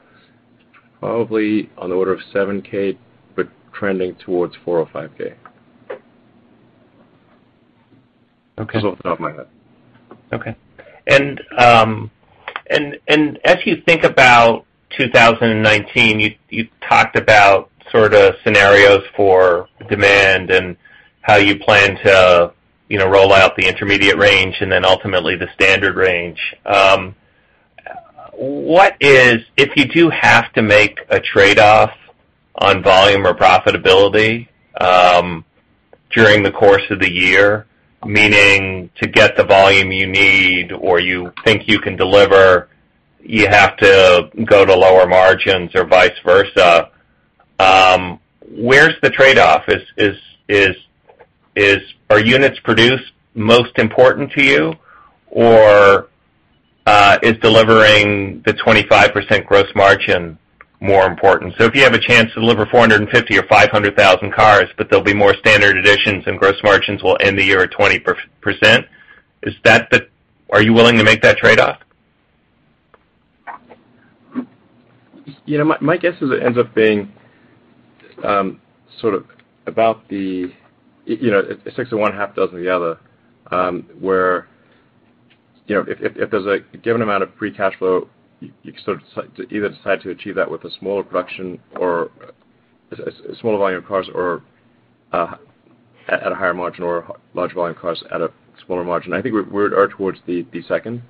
Probably on the order of $7,000, but trending towards $4,000 or $5,000. Okay. Just off the top of my head. Okay. As you think about 2019, you talked about sort of scenarios for demand and how you plan to, you know, roll out the intermediate range and then ultimately the standard range. What if you do have to make a trade-off on volume or profitability during the course of the year, meaning to get the volume you need or you think you can deliver, you have to go to lower margins or vice versa, where's the trade-off? Are units produced most important to you? Or is delivering the 25% gross margin more important? If you have a chance to deliver 450 or 500,000 cars, but there'll be more standard editions and gross margins will end the year at 20%, are you willing to make that trade-off? You know, my guess is it ends up being sort of about the, you know, it's six of one, half dozen of the other, where, you know, if there's a given amount of free cash flow, you sort of either decide to achieve that with a smaller production or a smaller volume of cars or at a higher margin or large volume cars at a smaller margin. I think we're are towards the second.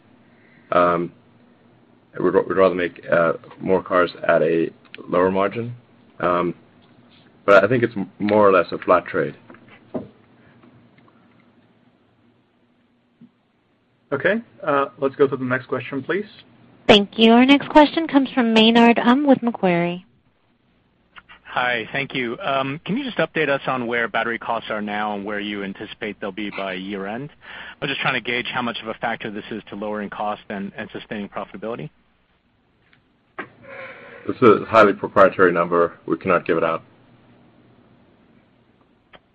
We'd rather make more cars at a lower margin. I think it's more or less a flat trade. Okay. Let's go to the next question, please. Thank you. Our next question comes from Maynard Um with Macquarie. Hi, thank you. Can you just update us on where battery costs are now and where you anticipate they'll be by year-end? I'm just trying to gauge how much of a factor this is to lowering cost and sustaining profitability. This is a highly proprietary number. We cannot give it out.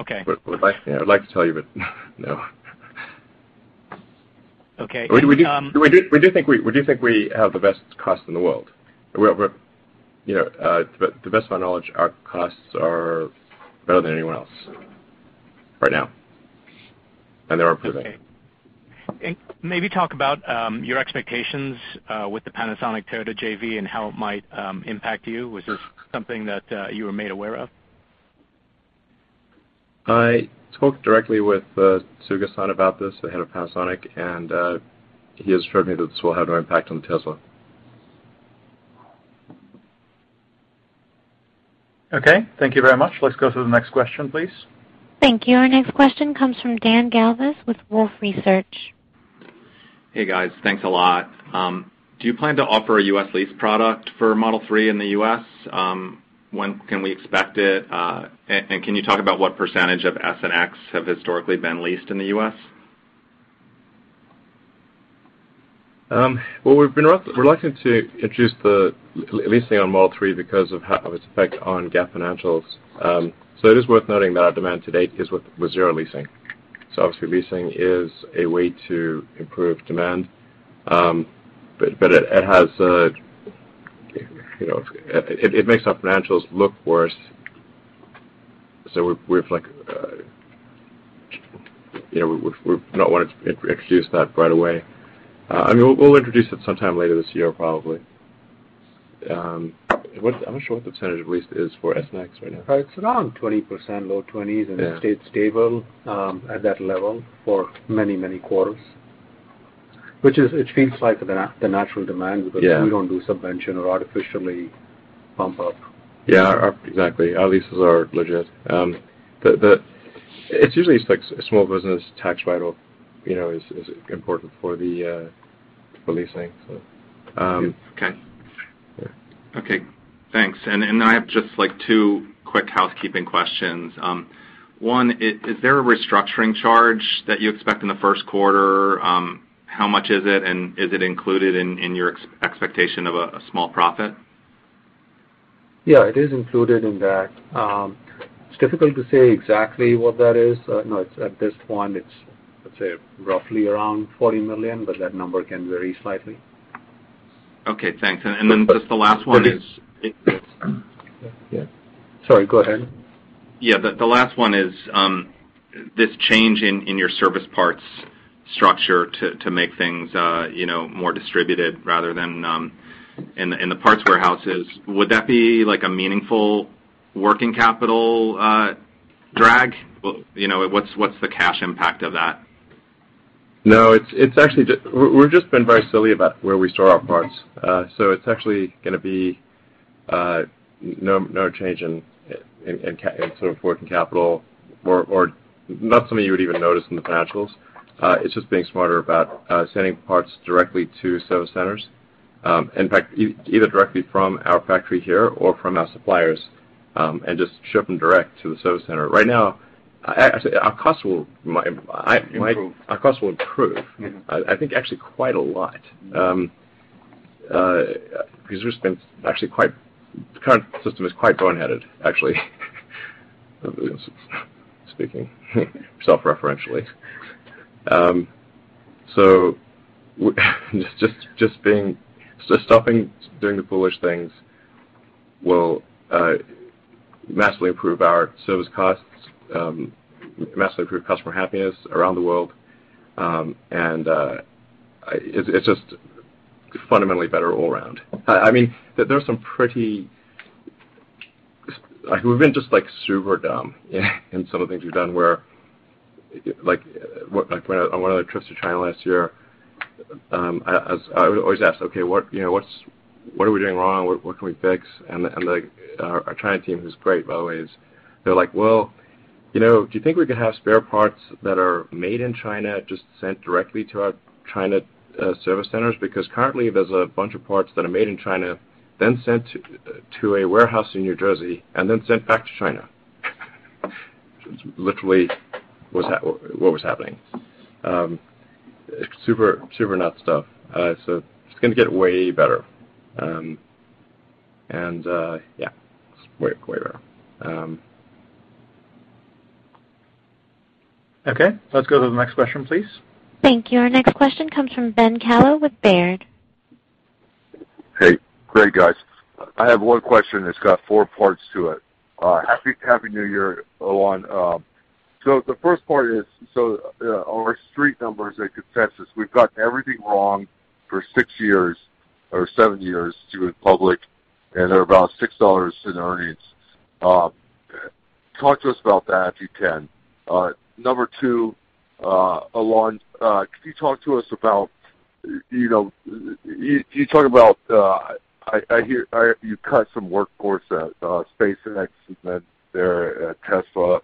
Okay. I'd like, you know, I'd like to tell you, but no. Okay. We do think we have the best cost in the world. We're, you know, to the best of my knowledge, our costs are better than anyone else right now, and they are improving. Okay. Maybe talk about your expectations with the Panasonic Toyota JV and how it might impact you, which is something that you were made aware of. I talked directly with Kazuhiro Tsuga about this, the head of Panasonic, and he has assured me that this will have no impact on Tesla. Okay, thank you very much. Let's go to the next question, please. Thank you. Our next question comes from Dan Galves with Wolfe Research. Hey, guys. Thanks a lot. Do you plan to offer a U.S. lease product for Model 3 in the U.S.? When can we expect it? Can you talk about what percentage of S and X have historically been leased in the U.S.? Well, we've been reluctant to introduce the leasing on Model 3 because of its effect on GAAP financials. So it is worth noting that our demand to date is with zero leasing. Obviously, leasing is a way to improve demand. But it has, you know, it makes our financials look worse. We're like, you know, we're not wanting to introduce that right away. We'll introduce it sometime later this year, probably. I'm not sure what the percentage of lease is for S and X right now. It's around 20%, low 20s. Yeah. It stayed stable, at that level for many, many quarters, it feels like the natural demand. Yeah Because we don't do subvention or artificially bump up. Yeah, our, exactly. Our leases are legit. It's usually it's like small business tax write-off, you know, is important for the for leasing, so. Okay. Yeah. Okay, thanks. I have just, like, two quick housekeeping questions. One, is there a restructuring charge that you expect in the first quarter? How much is it, and is it included in your expectation of a small profit? Yeah, it is included in that. It's difficult to say exactly what that is. No, it's at this point, it's, let's say, roughly around $40 million, but that number can vary slightly. Okay, thanks. Just the last one is- It Yeah. Sorry, go ahead. Yeah. The last one is, this change in your service parts structure to make things, you know, more distributed rather than in the parts warehouses, would that be like a meaningful working capital drag? Well, you know, what's the cash impact of that? It's actually we've just been very silly about where we store our parts. It's actually gonna be no change in sort of working capital or not something you would even notice in the financials. It's just being smarter about sending parts directly to service centers. In fact, either directly from our factory here or from our suppliers, and just ship them direct to the service center. Right now, actually, our cost will. Improve Our cost will improve. I think actually quite a lot. There's been actually the current system is quite boneheaded, actually, speaking self-referentially. Stopping doing the foolish things will massively improve our service costs, massively improve customer happiness around the world. It's just fundamentally better all around. I mean, there are some pretty like, we've been just, like, super dumb in some of the things we've done where, like, when I on one of the trips to China last year, I would always ask, "Okay, what, you know, what are we doing wrong? What can we fix?" Our China team, who's great, by the way, is they're like, "Well, you know, do you think we could have spare parts that are made in China just sent directly to our China service centers?" Currently, there's a bunch of parts that are made in China then sent to a warehouse in New Jersey and then sent back to China. Literally what was happening. Super nuts stuff. It's gonna get way better. Yeah, way better. Okay, let's go to the next question, please. Thank you. Our next question comes from Ben Kallo with Baird. Hey. Great, guys. I have one question that's got four parts to it. Happy New Year, Elon. The first part is, our street numbers at consensus, we've got everything wrong for six years or seven years to the public, and they're about $6 in earnings. Talk to us about that, if you can. Number two, Elon, could you talk to us about, you know, you talk about, I hear you cut some workforce at SpaceX and then there at Tesla.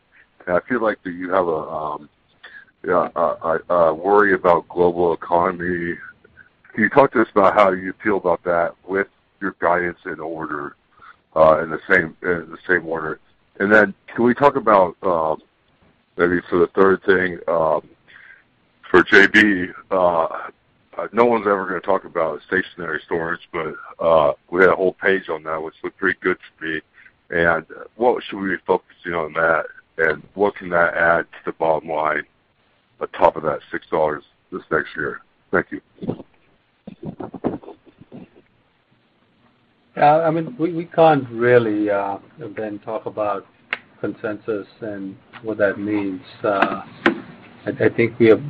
I feel like that you have a worry about global economy. Can you talk to us about how you feel about that with your guidance in the same order? Can we talk about, maybe for the third thing, for JB, no one's ever gonna talk about stationary storage, but we had a whole page on that, which looked pretty good to me? What should we be focusing on that, and what can that add to the bottom line on top of that $6 this next year? Thank you. Yeah. I mean, we can't really, Ben, talk about consensus and what that means. I think we have,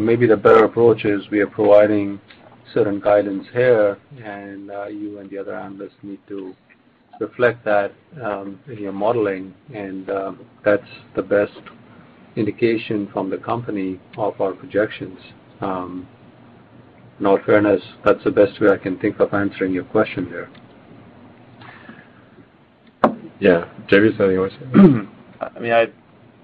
maybe the better approach is we are providing certain guidance here, and you and the other analysts need to reflect that in your modeling, and that's the best indication from the company of our projections. In all fairness, that's the best way I can think of answering your question here. Yeah. JB, is there any other thing? I mean,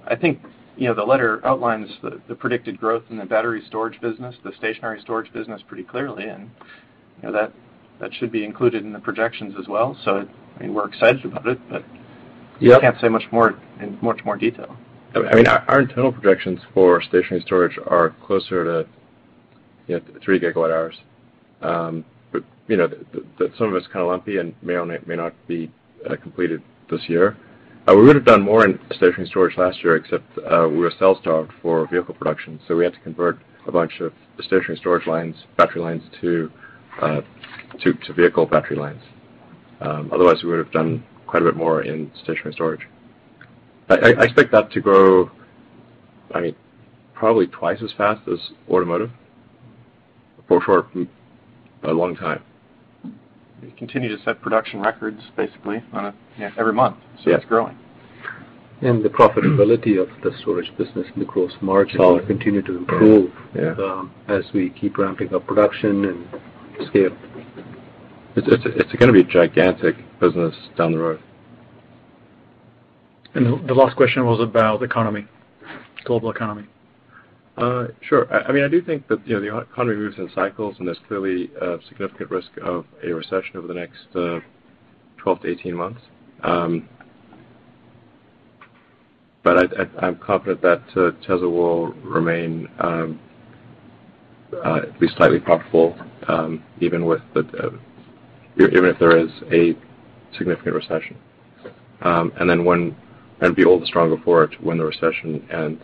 I think, you know, the letter outlines the predicted growth in the battery storage business, the stationary storage business pretty clearly, and, you know, that should be included in the projections as well. I mean, we're excited about it. Yeah we can't say much more in much more detail. I mean, our internal projections for stationary storage are closer to, you know, 3 gigawatt hours. You know, some of it's kind of lumpy and may not be completed this year. We would have done more in stationary storage last year, except we were cell-starved for vehicle production, we had to convert a bunch of stationary storage lines, battery lines to vehicle battery lines. Otherwise, we would have done quite a bit more in stationary storage. I expect that to grow, I mean, probably twice as fast as automotive for a long time. We continue to set production records basically. Yeah every month. Yeah. It's growing. The profitability of the storage business and the gross margin. Solid will continue to improve. Yeah as we keep ramping up production and scale. It's gonna be a gigantic business down the road. The last question was about economy, global economy. Sure. I mean, I do think that, you know, the economy moves in cycles, and there's clearly a significant risk of a recession over the next 12-18 months. I, I'm confident that Tesla will remain at least slightly profitable, even with the, even if there is a significant recession. And be all the stronger for it when the recession ends.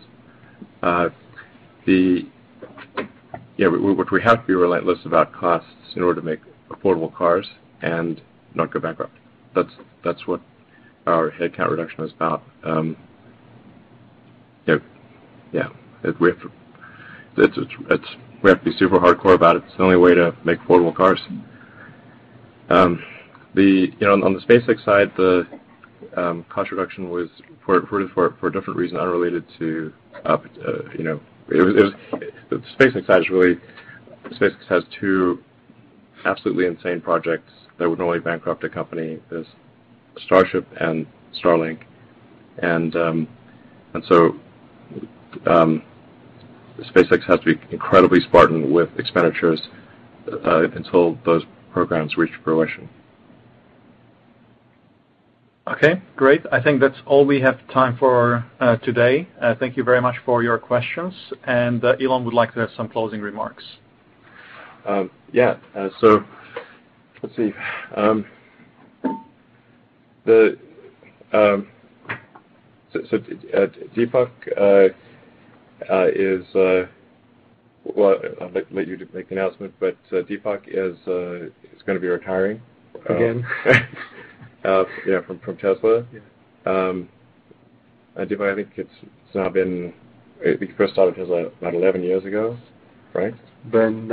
The, you know, we have to be relentless about costs in order to make affordable cars and not go bankrupt. That's, that's what our headcount reduction is about. Yeah, we have to It's, we have to be super hardcore about it. It's the only way to make affordable cars. The, you know, on the SpaceX side, the cost reduction was for a different reason unrelated to, you know. SpaceX actually has two absolutely insane projects that would normally bankrupt a company, is Starship and Starlink. SpaceX has to be incredibly spartan with expenditures until those programs reach fruition. Okay, great. I think that's all we have time for today. Thank you very much for your questions. Elon would like to have some closing remarks. Yeah. So let's see. Well, I'll let you do make the announcement, but Deepak is gonna be retiring. Again. Yeah, from Tesla. Yeah. Deepak, I think You first started at Tesla about 11 years ago, right? Been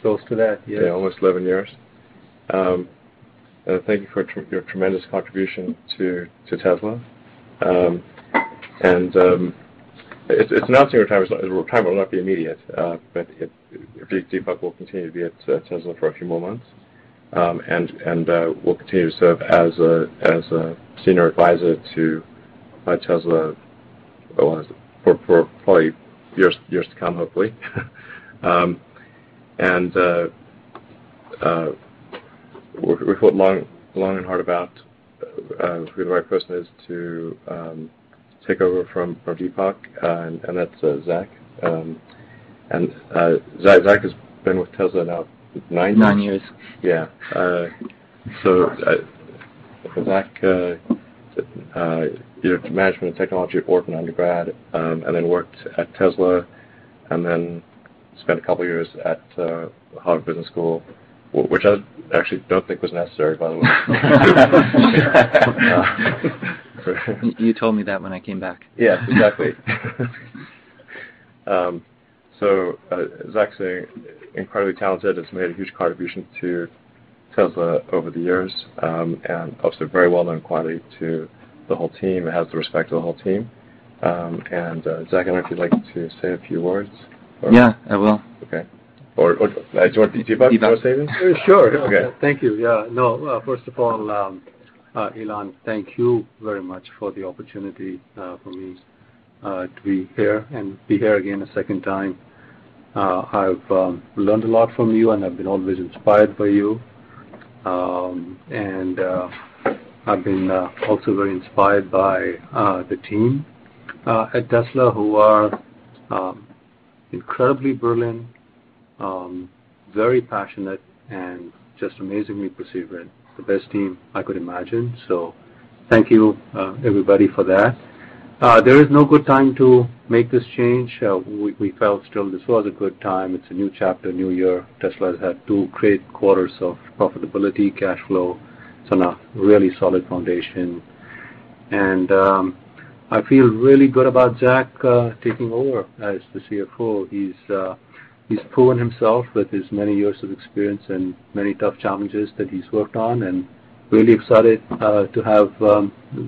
close to that, yes. Yeah, almost 11 years. Thank you for your tremendous contribution to Tesla. Retirement will not be immediate, but Deepak will continue to be at Tesla for a few more months, and will continue to serve as a senior advisor to Tesla for probably years to come, hopefully. We thought long and hard about who the right person is to take over from Deepak, and that's Zach. Zach has been with Tesla now nine years? Nine years. Yeah. Zach did management and technology at Wharton undergrad, and then worked at Tesla, and then spent a couple of years at Harvard Business School, which I actually don't think was necessary, by the way. You told me that when I came back. Yeah, exactly. Zach's incredibly talented, has made a huge contribution to Tesla over the years, and also very well-known quantity to the whole team, has the respect of the whole team. Zach, I don't know if you'd like to say a few words? Yeah, I will. Okay. Do you want Deepak to say anything? Yeah. Sure, sure. Okay. Thank you. First of all, Elon, thank you very much for the opportunity for me to be here and be here again a second time. I've learned a lot from you, and I've been always inspired by you. I've been also very inspired by the team at Tesla who are incredibly brilliant, very passionate and just amazingly perseverant. The best team I could imagine. Thank you everybody for that. There is no good time to make this change. We felt still this was a good time. It's a new chapter, a new year. Tesla's had two great quarters of profitability, cash flow. It's on a really solid foundation. I feel really good about Zach taking over as the CFO. He's proven himself with his many years of experience and many tough challenges that he's worked on, and really excited to have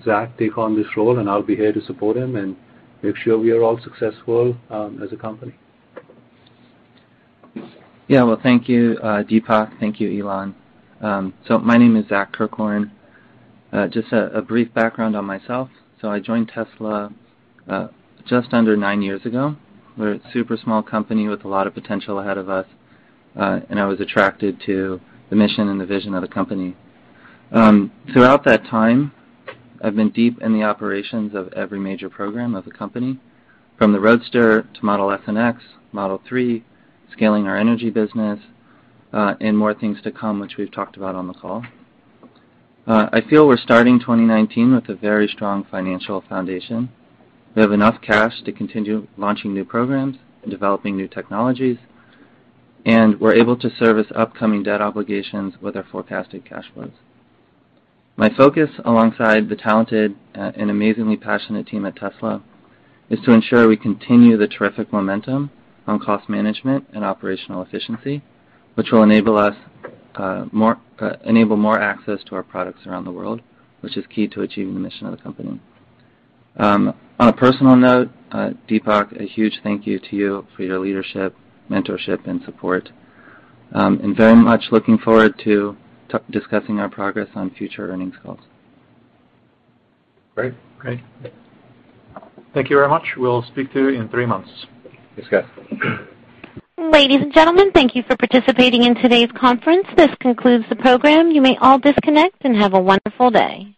Zach take on this role, and I'll be here to support him and make sure we are all successful as a company. Yeah. Well, thank you, Deepak. Thank you, Elon. My name is Zach Kirkhorn. Just a brief background on myself. I joined Tesla just under nine years ago. We were a super small company with a lot of potential ahead of us, and I was attracted to the mission and the vision of the company. Throughout that time, I've been deep in the operations of every major program of the company, from the Roadster to Model S and X, Model 3, scaling our energy business, and more things to come, which we've talked about on the call. I feel we're starting 2019 with a very strong financial foundation. We have enough cash to continue launching new programs and developing new technologies, and we're able to service upcoming debt obligations with our forecasted cash flows. My focus alongside the talented and amazingly passionate team at Tesla is to ensure we continue the terrific momentum on cost management and operational efficiency, which will enable more access to our products around the world, which is key to achieving the mission of the company. On a personal note, Deepak, a huge thank you to you for your leadership, mentorship and support, and very much looking forward to discussing our progress on future earnings calls. Great. Great. Thank you very much. We'll speak to you in three months. Thanks, guys. Ladies and gentlemen, thank you for participating in today's conference. This concludes the program. You may all disconnect and have a wonderful day.